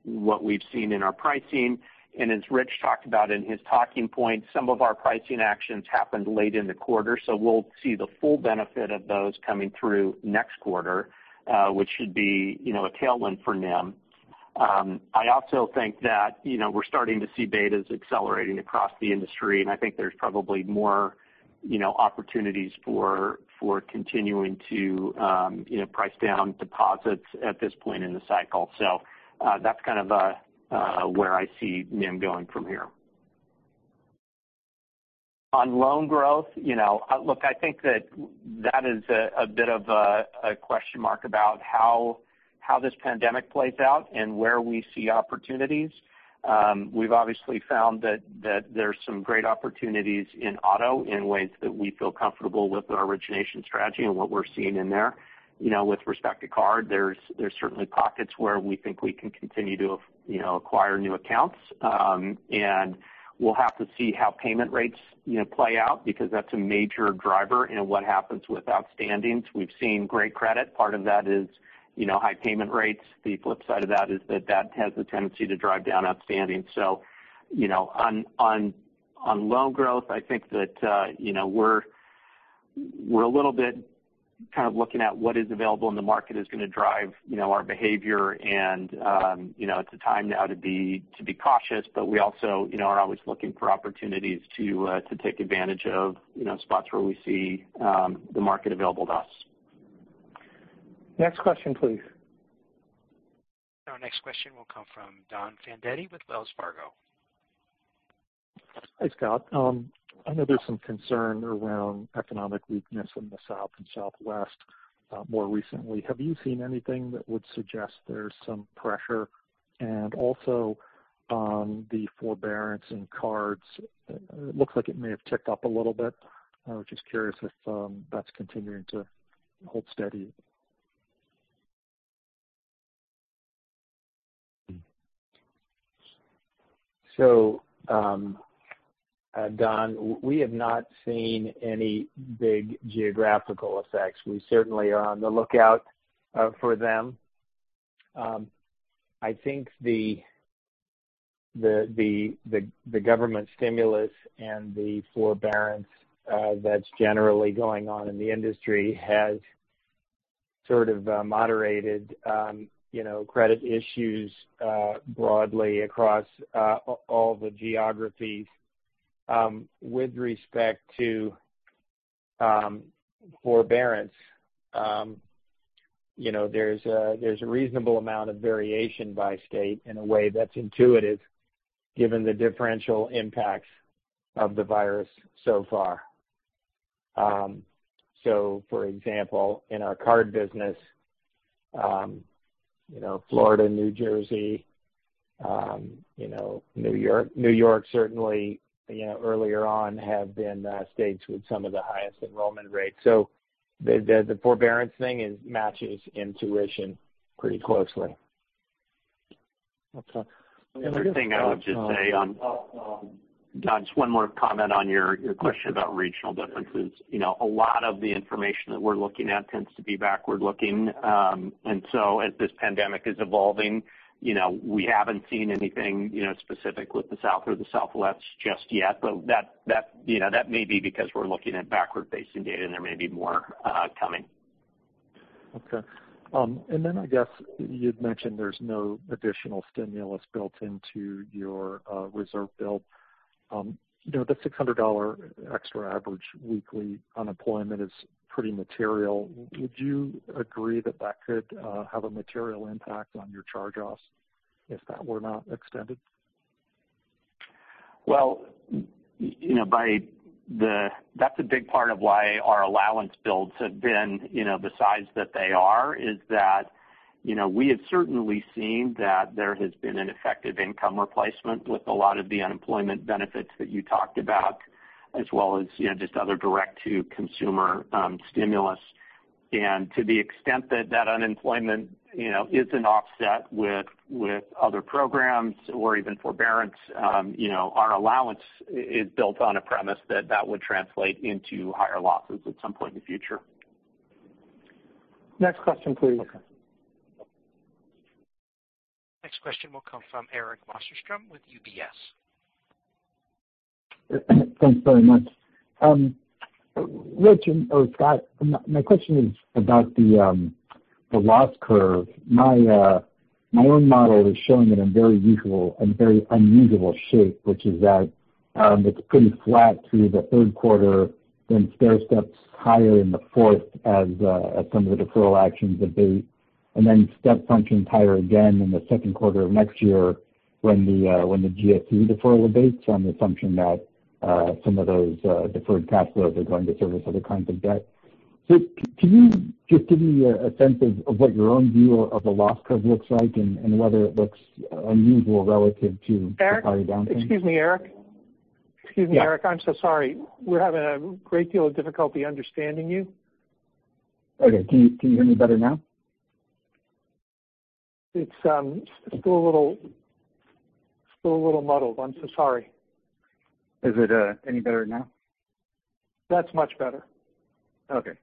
what we've seen in our pricing. As Rich talked about in his talking points, some of our pricing actions happened late in the quarter, so we'll see the full benefit of those coming through next quarter, which should be a tailwind for NIM. I also think that we're starting to see betas accelerating across the industry, and I think there's probably more opportunities for continuing to price down deposits at this point in the cycle. That's kind of where I see NIM going from here. On loan growth. Look, I think that is a bit of a question mark about how this pandemic plays out and where we see opportunities. We've obviously found that there's some great opportunities in auto in ways that we feel comfortable with our origination strategy and what we're seeing in there. With respect to card, there's certainly pockets where we think we can continue to acquire new accounts. We'll have to see how payment rates play out because that's a major driver in what happens with outstandings. We've seen great credit. Part of that is high payment rates. The flip side of that is that has a tendency to drive down outstanding. On loan growth, I think that we're a little bit kind of looking at what is available in the market is going to drive our behavior and it's a time now to be cautious. We also are always looking for opportunities to take advantage of spots where we see the market available to us. Next question, please. Our next question will come from Donald Fandetti with Wells Fargo. Hi, Scott. I know there's some concern around economic weakness in the South and Southwest more recently. Have you seen anything that would suggest there's some pressure? Also, the forbearance in cards, it looks like it may have ticked up a little bit. I was just curious if that's continuing to hold steady? Don, we have not seen any big geographical effects. We certainly are on the lookout for them. I think the government stimulus and the forbearance that's generally going on in the industry has sort of moderated credit issues broadly across all the geographies. With respect to forbearance, there's a reasonable amount of variation by state in a way that's intuitive given the differential impacts of the virus so far. For example, in our card business Florida, New Jersey, New York certainly earlier on have been states with some of the highest enrollment rates. The forbearance thing matches intuition pretty closely. Okay. The other thing I would just say on, Don, just one more comment on your question about regional differences. A lot of the information that we're looking at tends to be backward-looking. As this pandemic is evolving, we haven't seen anything specific with the South or the Southwest just yet. That may be because we're looking at backward-facing data, and there may be more coming. Okay. I guess you'd mentioned there's no additional stimulus built into your reserve build. The $600 extra average weekly unemployment is pretty material. Would you agree that that could have a material impact on your charge-offs if that were not extended? Well, that's a big part of why our allowance builds have been the size that they are is that we have certainly seen that there has been an effective income replacement with a lot of the unemployment benefits that you talked about, as well as just other direct-to-consumer stimulus. To the extent that that unemployment is an offset with other programs or even forbearance our allowance is built on a premise that that would translate into higher losses at some point in the future. Next question, please. Okay. Next question will come from Eric Wasserstrom with UBS. Thanks very much. Rich or Scott, my question is about the loss curve. My own model is showing it in very unusual shape, which is that it's pretty flat through the third quarter, then stairsteps higher in the fourth as some of the deferral actions abate, and then step-functions higher again in the second quarter of next year when the GSE deferral abates on the assumption that some of those deferred cash flows are going to service other kinds of debt. Can you just give me a sense of what your own view of the loss curve looks like and whether it looks unusual relative to prior downturns? Eric, Excuse me, Eric. Yeah. I'm so sorry. We're having a great deal of difficulty understanding you. Okay. Can you hear me better now? It's still a little muddled. I'm so sorry. Is it any better now? That's much better. Okay.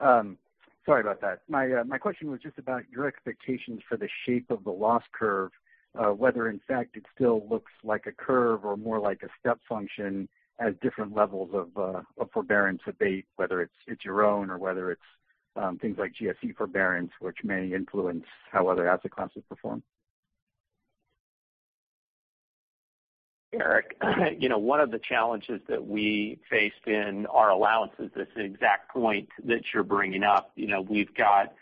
Sorry about that. My question was just about your expectations for the shape of the loss curve whether in fact it still looks like a curve or more like a step function at different levels of forbearance abate, whether it's your own or whether it's things like GSE forbearance, which may influence how other asset classes perform. Eric, one of the challenges that we faced in our allowances is the exact point that you're bringing up. We've got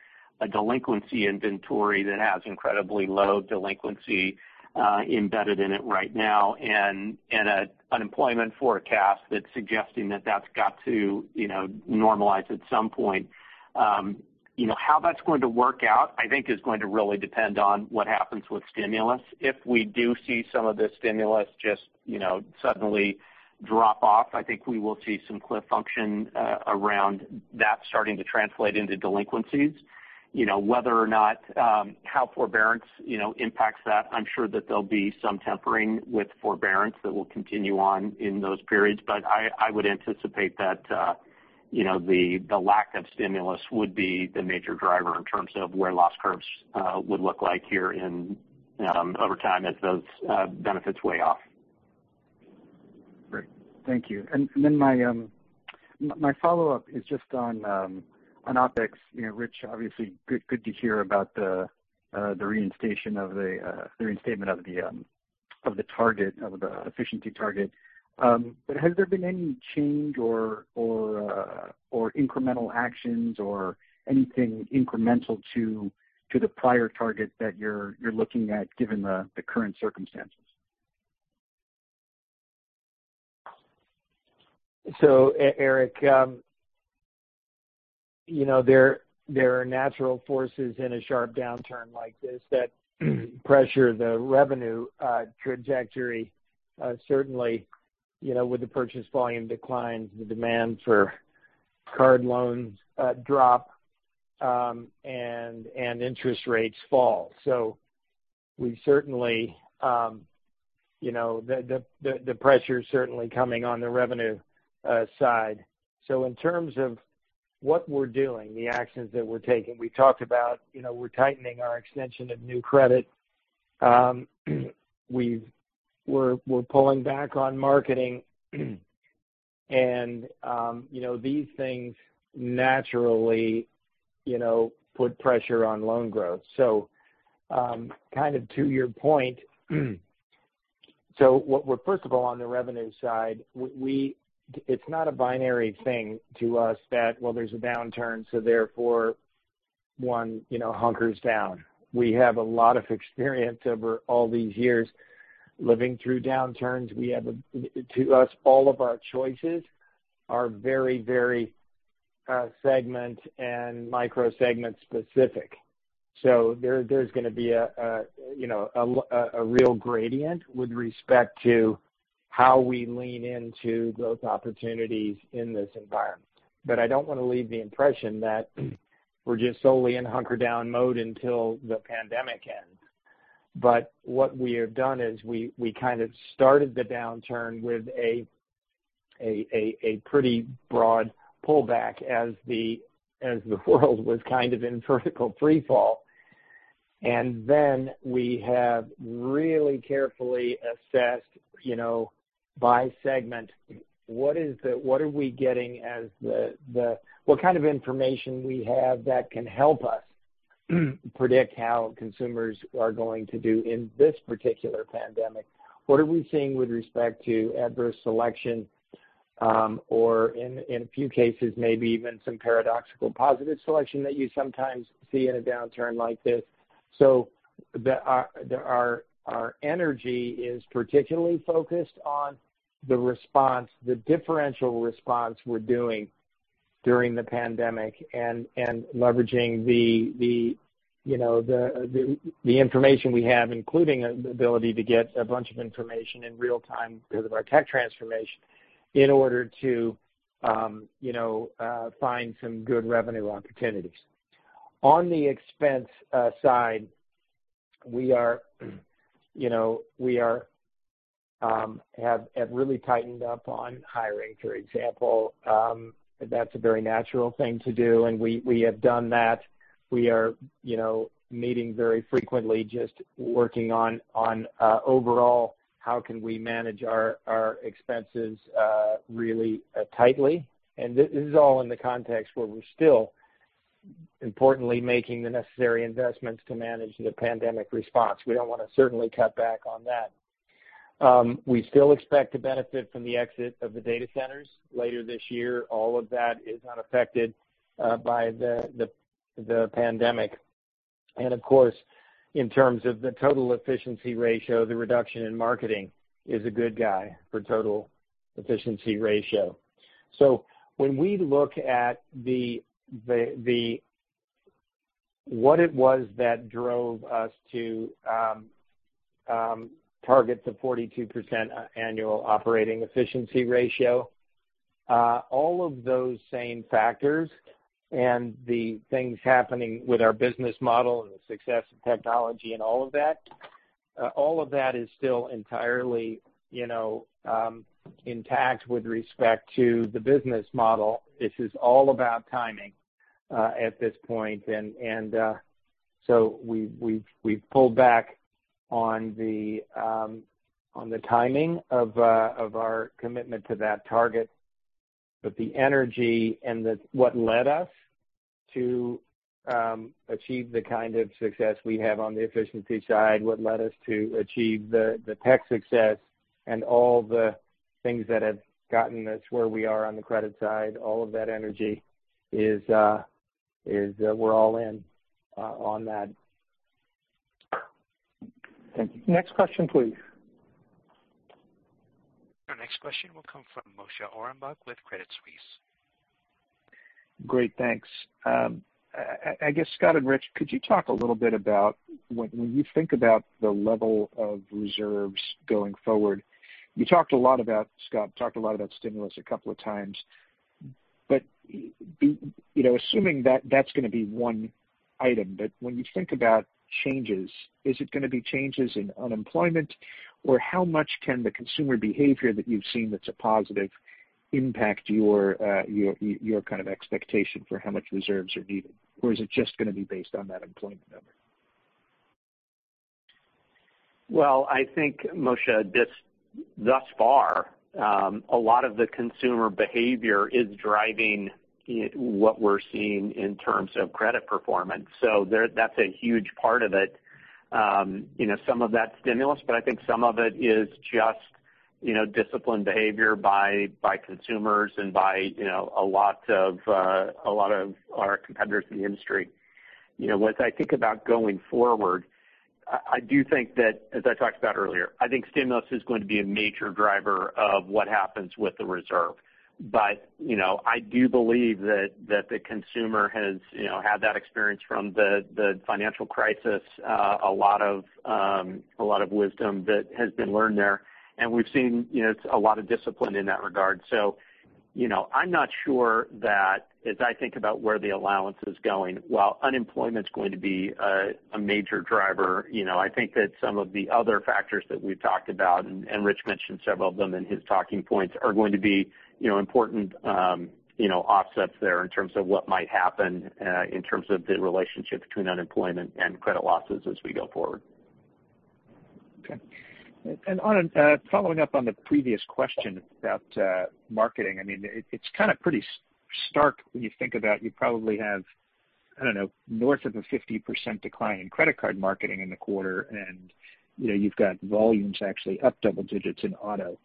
a delinquency inventory that has incredibly low delinquency embedded in it right now, and an unemployment forecast that's suggesting that that's got to normalize at some point. How that's going to work out, I think is going to really depend on what happens with stimulus. If we do see some of the stimulus just suddenly drop off, I think we will see some cliff function around that starting to translate into delinquencies. Whether or not how forbearance impacts that, I'm sure that there'll be some tempering with forbearance that will continue on in those periods. I would anticipate that the lack of stimulus would be the major driver in terms of where loss curves would look like over time as those benefits weigh off. Great. Thank you. My follow-up is just on OpEx. Rich, obviously good to hear about the reinstatement of the target, of the efficiency target. Has there been any change or incremental actions or anything incremental to the prior target that you're looking at given the current circumstances? Eric, there are natural forces in a sharp downturn like this that pressure the revenue trajectory. Certainly, with the purchase volume declines, the demand for card loans drop, and interest rates fall. The pressure's certainly coming on the revenue side. In terms of what we're doing, the actions that we're taking, we talked about we're tightening our extension of new credit. We're pulling back on marketing, and these things naturally put pressure on loan growth. Kind of to your point, first of all, on the revenue side, it's not a binary thing to us that, well, there's a downturn, so therefore one hunkers down. We have a lot of experience over all these years living through downturns. To us, all of our choices are very segment and micro-segment specific. There's going to be a real gradient with respect to how we lean into those opportunities in this environment. I don't want to leave the impression that we're just solely in hunker down mode until the pandemic ends. What we have done is we kind of started the downturn with a pretty broad pullback as the world was kind of in vertical freefall. Then we have really carefully assessed by segment what kind of information we have that can help us predict how consumers are going to do in this particular pandemic. What are we seeing with respect to adverse selection? In a few cases, maybe even some paradoxical positive selection that you sometimes see in a downturn like this. Our energy is particularly focused on the response, the differential response we're doing during the pandemic and leveraging the information we have, including the ability to get a bunch of information in real time because of our tech transformation, in order to find some good revenue opportunities. On the expense side, we have really tightened up on hiring, for example. That's a very natural thing to do, and we have done that. We are meeting very frequently, just working on overall how can we manage our expenses really tightly. This is all in the context where we're still importantly making the necessary investments to manage the pandemic response. We don't want to certainly cut back on that. We still expect to benefit from the exit of the data centers later this year. All of that is unaffected by the pandemic. Of course, in terms of the total efficiency ratio, the reduction in marketing is a good guy for total efficiency ratio. When we look at what it was that drove us to targets of 42% annual operating efficiency ratio, all of those same factors and the things happening with our business model and the success of technology and all of that, all of that is still entirely intact with respect to the business model. This is all about timing at this point. We've pulled back on the timing of our commitment to that target The energy and what led us to achieve the kind of success we have on the efficiency side, what led us to achieve the tech success and all the things that have gotten us where we are on the credit side, all of that energy is, we're all in on that. Thank you. Next question, please. Our next question will come from Moshe Orenbuch with Credit Suisse. Great. Thanks. I guess, Scott and Rich, could you talk a little bit about when you think about the level of reserves going forward, you talked a lot about, Scott, talked a lot about stimulus a couple of times. Assuming that's going to be one item, but when you think about changes, is it going to be changes in unemployment? Or how much can the consumer behavior that you've seen that's a positive impact your kind of expectation for how much reserves are needed? Or is it just going to be based on that employment number? I think, Moshe, thus far, a lot of the consumer behavior is driving what we're seeing in terms of credit performance. That's a huge part of it. Some of that's stimulus, but I think some of it is just disciplined behavior by consumers and by a lot of our competitors in the industry. As I think about going forward, I do think that, as I talked about earlier, I think stimulus is going to be a major driver of what happens with the reserve. I do believe that the consumer has had that experience from the financial crisis. A lot of wisdom that has been learned there, and we've seen a lot of discipline in that regard. I'm not sure that as I think about where the allowance is going, while unemployment's going to be a major driver, I think that some of the other factors that we've talked about, and Rich mentioned several of them in his talking points, are going to be important offsets there in terms of what might happen in terms of the relationship between unemployment and credit losses as we go forward. Okay. Following up on the previous question about marketing. It's kind of pretty stark when you think about you probably have, I don't know, north of a 50% decline in credit card marketing in the quarter, and you've got volumes actually up double digits in auto.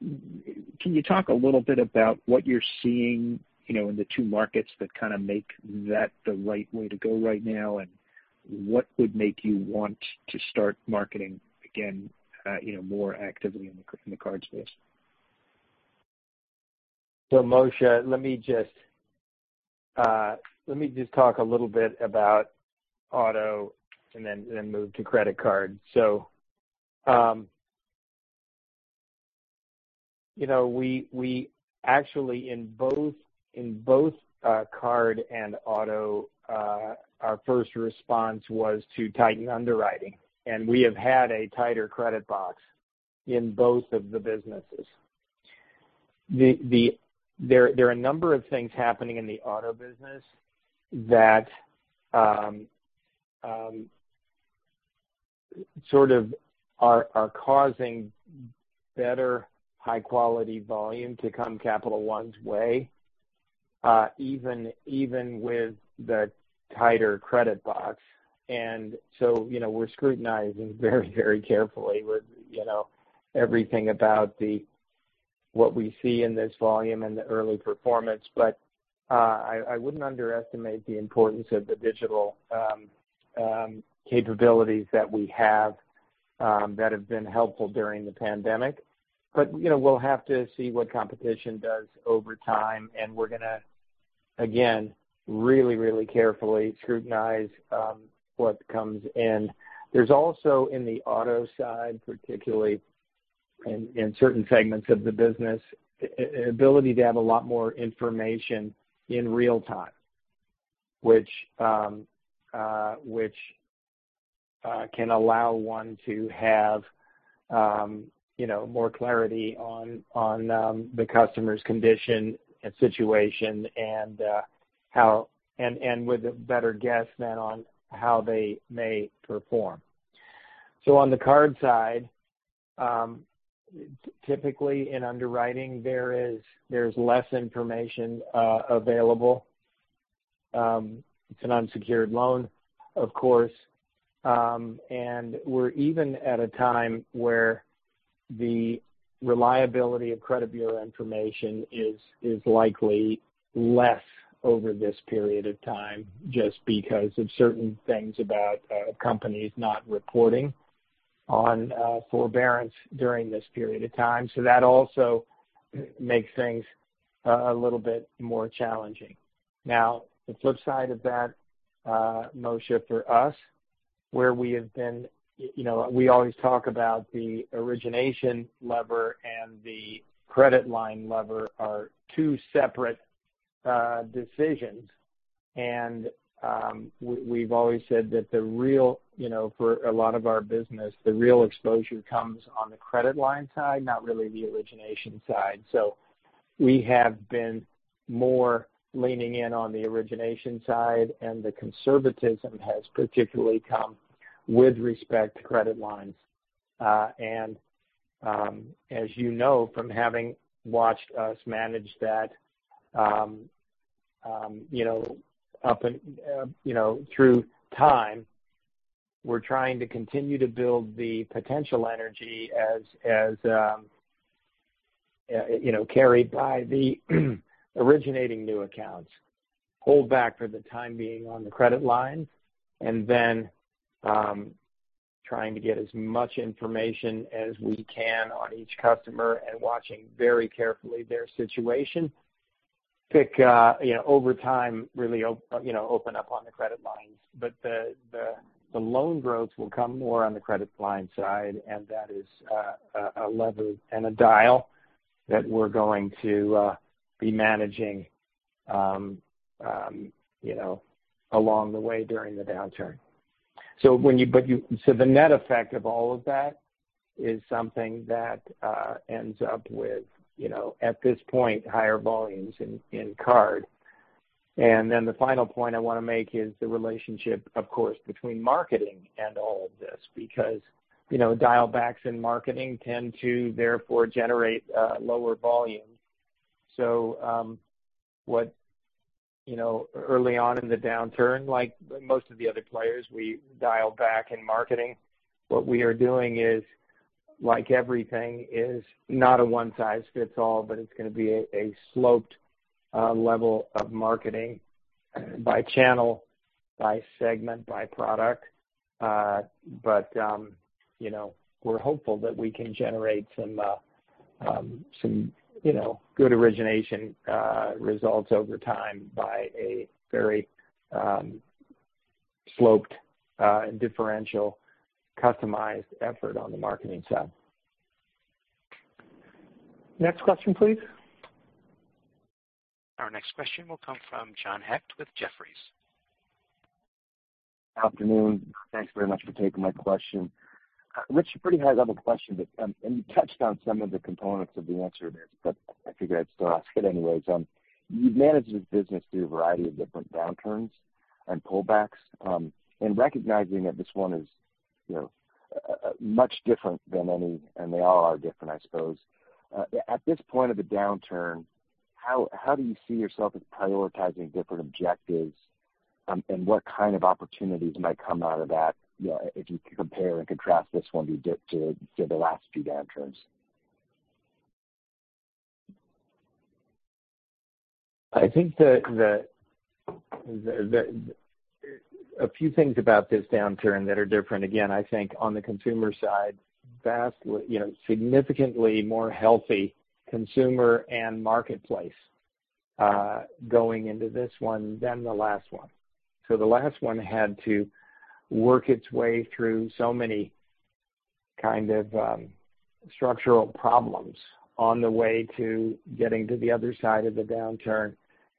Can you talk a little bit about what you're seeing in the two markets that kind of make that the right way to go right now? What would make you want to start marketing again more actively in the card space? Moshe, let me just talk a little bit about auto and then move to credit card. We actually in both card and auto, our first response was to tighten underwriting, and we have had a tighter credit box in both of the businesses. There are a number of things happening in the auto business that sort of are causing better high-quality volume to come Capital One's way, even with the tighter credit box. We're scrutinizing very, very carefully with everything about what we see in this volume and the early performance. I wouldn't underestimate the importance of the digital capabilities that we have that have been helpful during the pandemic. We'll have to see what competition does over time, and we're going to, again, really, really carefully scrutinize what comes in. There's also in the auto side, particularly in certain segments of the business, ability to have a lot more information in real time, which can allow one to have more clarity on the customer's condition and situation and with a better guess then on how they may perform. On the card side, typically in underwriting, there's less information available. It's an unsecured loan, of course, and we're even at a time where the reliability of credit bureau information is likely less over this period of time, just because of certain things about companies not reporting on forbearance during this period of time. That also makes things a little bit more challenging. The flip side of that, Moshe, for us, we always talk about the origination lever and the credit line lever are two separate decisions. We've always said that for a lot of our business, the real exposure comes on the credit line side, not really the origination side. We have been more leaning in on the origination side, and the conservatism has particularly come With respect to credit lines. As you know from having watched us manage that through time, we're trying to continue to build the potential energy as carried by the originating new accounts. Hold back for the time being on the credit line, and then trying to get as much information as we can on each customer and watching very carefully their situation. Over time, really open up on the credit lines. The loan growth will come more on the credit line side, and that is a lever and a dial that we're going to be managing along the way during the downturn. The net effect of all of that is something that ends up with, at this point, higher volumes in card. The final point I want to make is the relationship, of course, between marketing and all of this, because dial backs in marketing tend to therefore generate lower volumes. Early on in the downturn, like most of the other players, we dialed back in marketing. What we are doing is, like everything, is not a one size fits all, but it's going to be a sloped level of marketing by channel, by segment, by product. We're hopeful that we can generate some good origination results over time by a very sloped, differential, customized effort on the marketing side. Next question, please. Our next question will come from John Hecht with Jefferies. Afternoon. Thanks very much for taking my question. Rich, pretty high level question, and you touched on some of the components of the answer there, but I figured I'd still ask it anyways. You've managed this business through a variety of different downturns and pullbacks. Recognizing that this one is much different than any, and they all are different, I suppose. At this point of the downturn, how do you see yourself as prioritizing different objectives? What kind of opportunities might come out of that if you compare and contrast this one to the last few downturns? I think a few things about this downturn that are different. I think on the consumer side, significantly more healthy consumer and marketplace going into this one than the last one. The last one had to work its way through so many kind of structural problems on the way to getting to the other side of the downturn.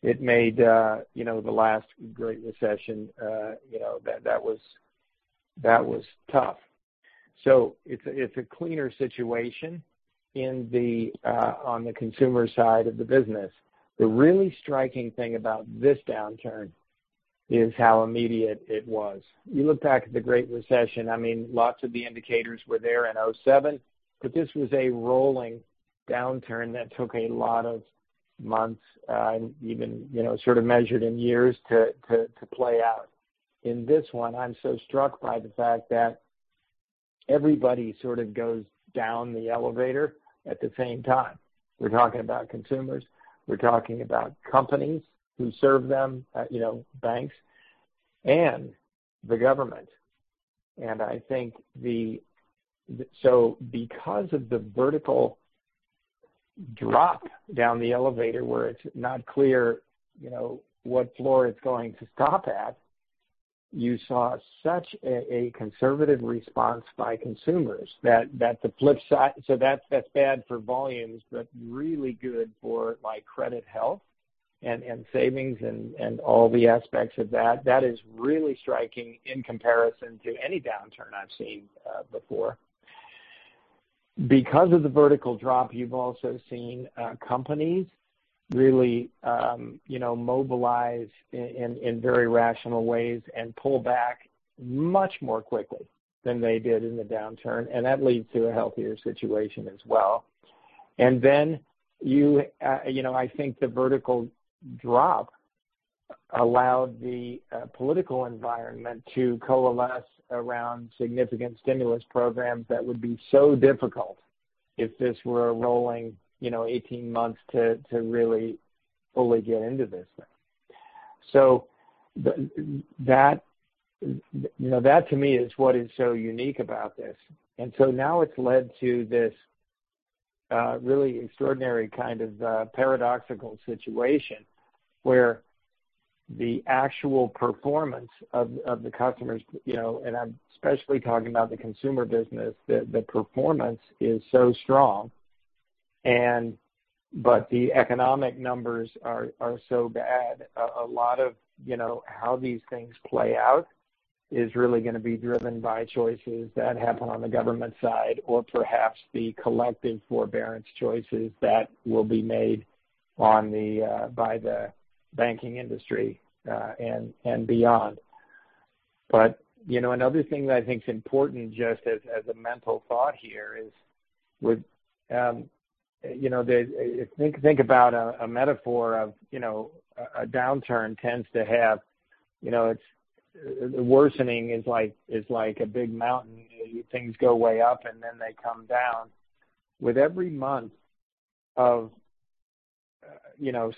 It made the last Great Recession, that was tough. It's a cleaner situation on the consumer side of the business. The really striking thing about this downturn is how immediate it was. You look back at the Great Recession, lots of the indicators were there in 2007, this was a rolling downturn that took a lot of months, and even measured in years to play out. In this one, I'm so struck by the fact that everybody sort of goes down the elevator at the same time. We're talking about consumers, we're talking about companies who serve them, banks and the government. Because of the vertical drop down the elevator where it's not clear what floor it's going to stop at, you saw such a conservative response by consumers. That's bad for volumes, but really good for credit health and savings and all the aspects of that. That is really striking in comparison to any downturn I've seen before. Because of the vertical drop, you've also seen companies really mobilize in very rational ways and pull back much more quickly than they did in the downturn, and that leads to a healthier situation as well. I think the vertical drop allowed the political environment to coalesce around significant stimulus programs that would be so difficult if this were a rolling 18 months to really fully get into this thing. That to me, is what is so unique about this. Now it's led to this really extraordinary kind of paradoxical situation where the actual performance of the customers, and I'm especially talking about the consumer business. The performance is so strong, but the economic numbers are so bad. A lot of how these things play out is really going to be driven by choices that happen on the government side or perhaps the collective forbearance choices that will be made by the banking industry and beyond. Another thing that I think is important just as a mental thought here is if you think about a metaphor of a downturn tends to have. The worsening is like a big mountain. Things go way up and then they come down. With every month of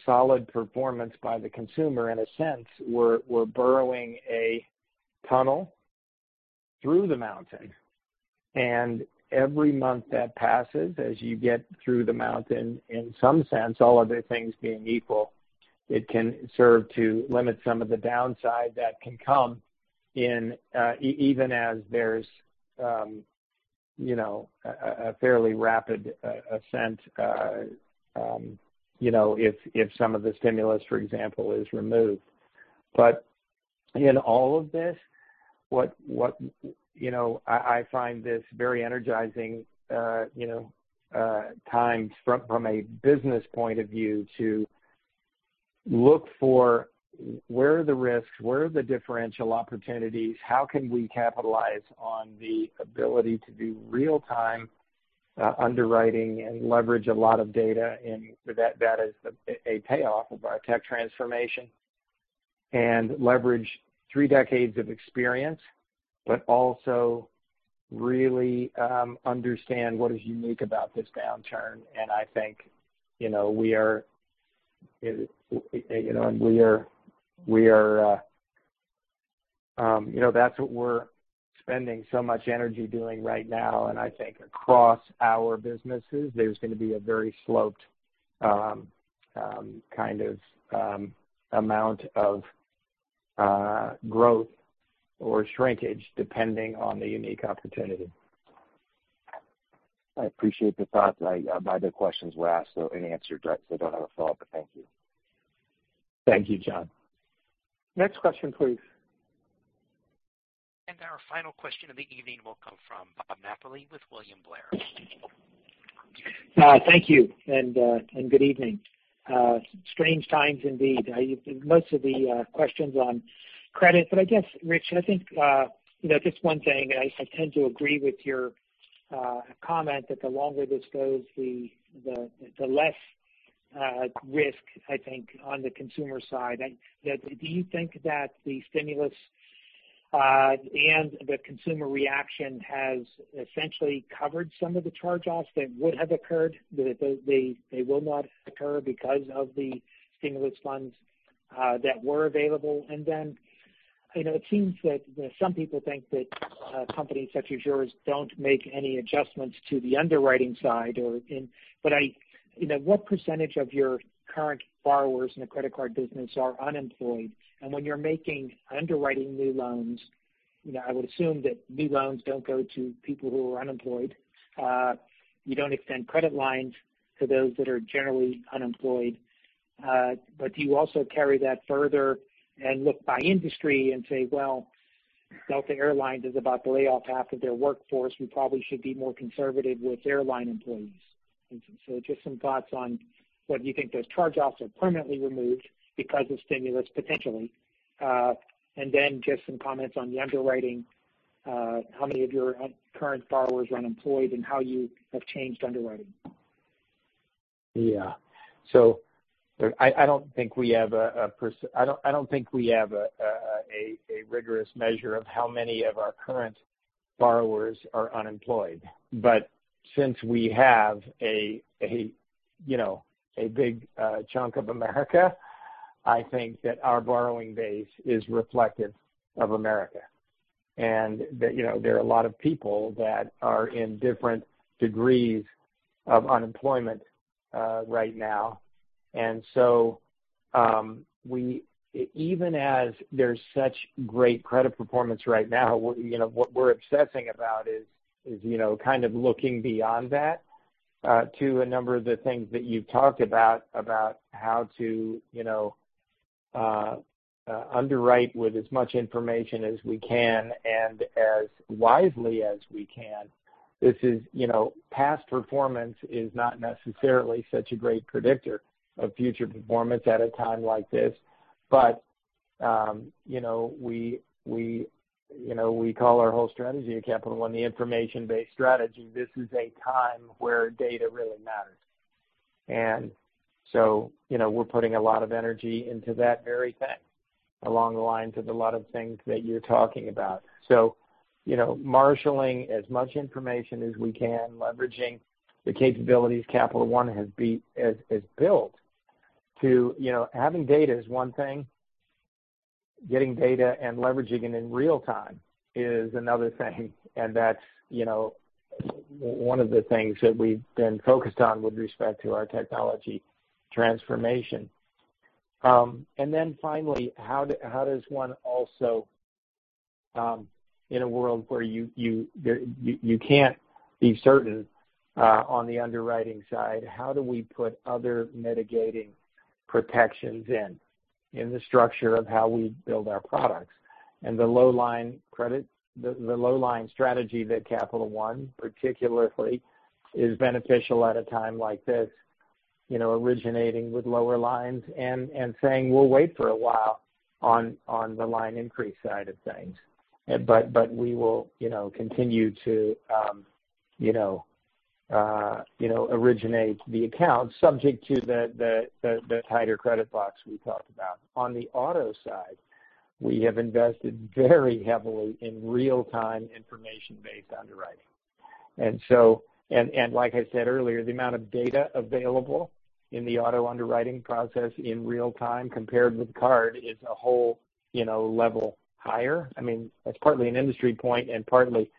solid performance by the consumer, in a sense, we're burrowing a tunnel through the mountain. Every month that passes, as you get through the mountain, in some sense, all other things being equal, it can serve to limit some of the downside that can come in even as there's a fairly rapid ascent if some of the stimulus, for example, is removed. In all of this, I find this very energizing times from a business point of view to look for where are the risks, where are the differential opportunities? How can we capitalize on the ability to do real time underwriting and leverage a lot of data in that as a payoff of our tech transformation. Leverage three decades of experience, but also really understand what is unique about this downturn. I think that's what we're spending so much energy doing right now. I think across our businesses, there's going to be a very sloped kind of amount of growth or shrinkage depending on the unique opportunity. I appreciate the thought. My other questions were asked and answered directly, so I don't have a follow-up, but thank you. Thank you, John. Next question, please. Our final question of the evening will come from Robert Napoli with William Blair. Thank you, and good evening. Strange times indeed. Most of the questions on credit. I guess, Rich, I think just one thing. I tend to agree with your comment that the longer this goes, the less risk, I think, on the consumer side. Do you think that the stimulus and the consumer reaction has essentially covered some of the charge-offs that would have occurred, they will not occur because of the stimulus funds that were available? It seems that some people think that companies such as yours don't make any adjustments to the underwriting side. What percentage of your current borrowers in the credit card business are unemployed? When you're making underwriting new loans, I would assume that new loans don't go to people who are unemployed. You don't extend credit lines to those that are generally unemployed. Do you also carry that further and look by industry and say, well, Delta Air Lines is about to lay off half of their workforce, we probably should be more conservative with airline employees. Just some thoughts on whether you think those charge-offs are permanently removed because of stimulus potentially. Just some comments on the underwriting, how many of your current borrowers are unemployed and how you have changed underwriting. I don't think we have a rigorous measure of how many of our current borrowers are unemployed. Since we have a big chunk of America, I think that our borrowing base is reflective of America. There are a lot of people that are in different degrees of unemployment right now. Even as there's such great credit performance right now, what we're obsessing about is looking beyond that to a number of the things that you've talked about how to underwrite with as much information as we can and as wisely as we can. Past performance is not necessarily such a great predictor of future performance at a time like this. We call our whole strategy at Capital One the information-based strategy. This is a time where data really matters. We're putting a lot of energy into that very thing along the lines of a lot of things that you're talking about. Marshalling as much information as we can, leveraging the capabilities Capital One has built to having data is one thing. Getting data and leveraging it in real time is another thing. That's one of the things that we've been focused on with respect to our technology transformation. Finally, how does one also in a world where you can't be certain on the underwriting side, how do we put other mitigating protections in the structure of how we build our products? The low line strategy that Capital One particularly is beneficial at a time like this, originating with lower lines and saying, we'll wait for a while on the line increase side of things. We will continue to originate the account subject to the tighter credit box we talked about. On the auto side, we have invested very heavily in real-time information-based underwriting. Like I said earlier, the amount of data available in the auto underwriting process in real time compared with card is a whole level higher. That's partly an industry point and partly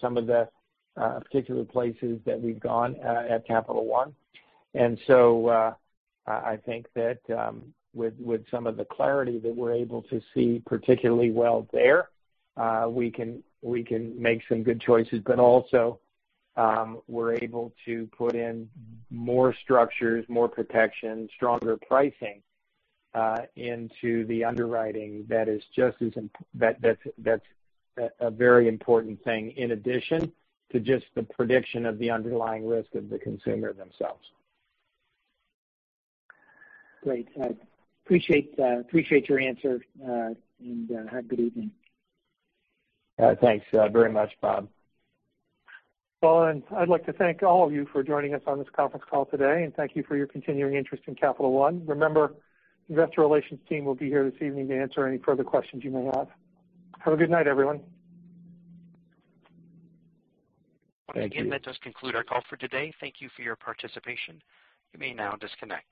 some of the particular places that we've gone at Capital One. I think that with some of the clarity that we're able to see particularly well there, we can make some good choices. Also we're able to put in more structures, more protection, stronger pricing into the underwriting that's a very important thing in addition to just the prediction of the underlying risk of the consumer themselves. Great. I appreciate your answer, and have a good evening. Thanks very much, Bob. Well, and I'd like to thank all of you for joining us on this conference call today, and thank you for your continuing interest in Capital One. Remember, the investor relations team will be here this evening to answer any further questions you may have. Have a good night, everyone. Thank you. That does conclude our call for today. Thank you for your participation. You may now disconnect.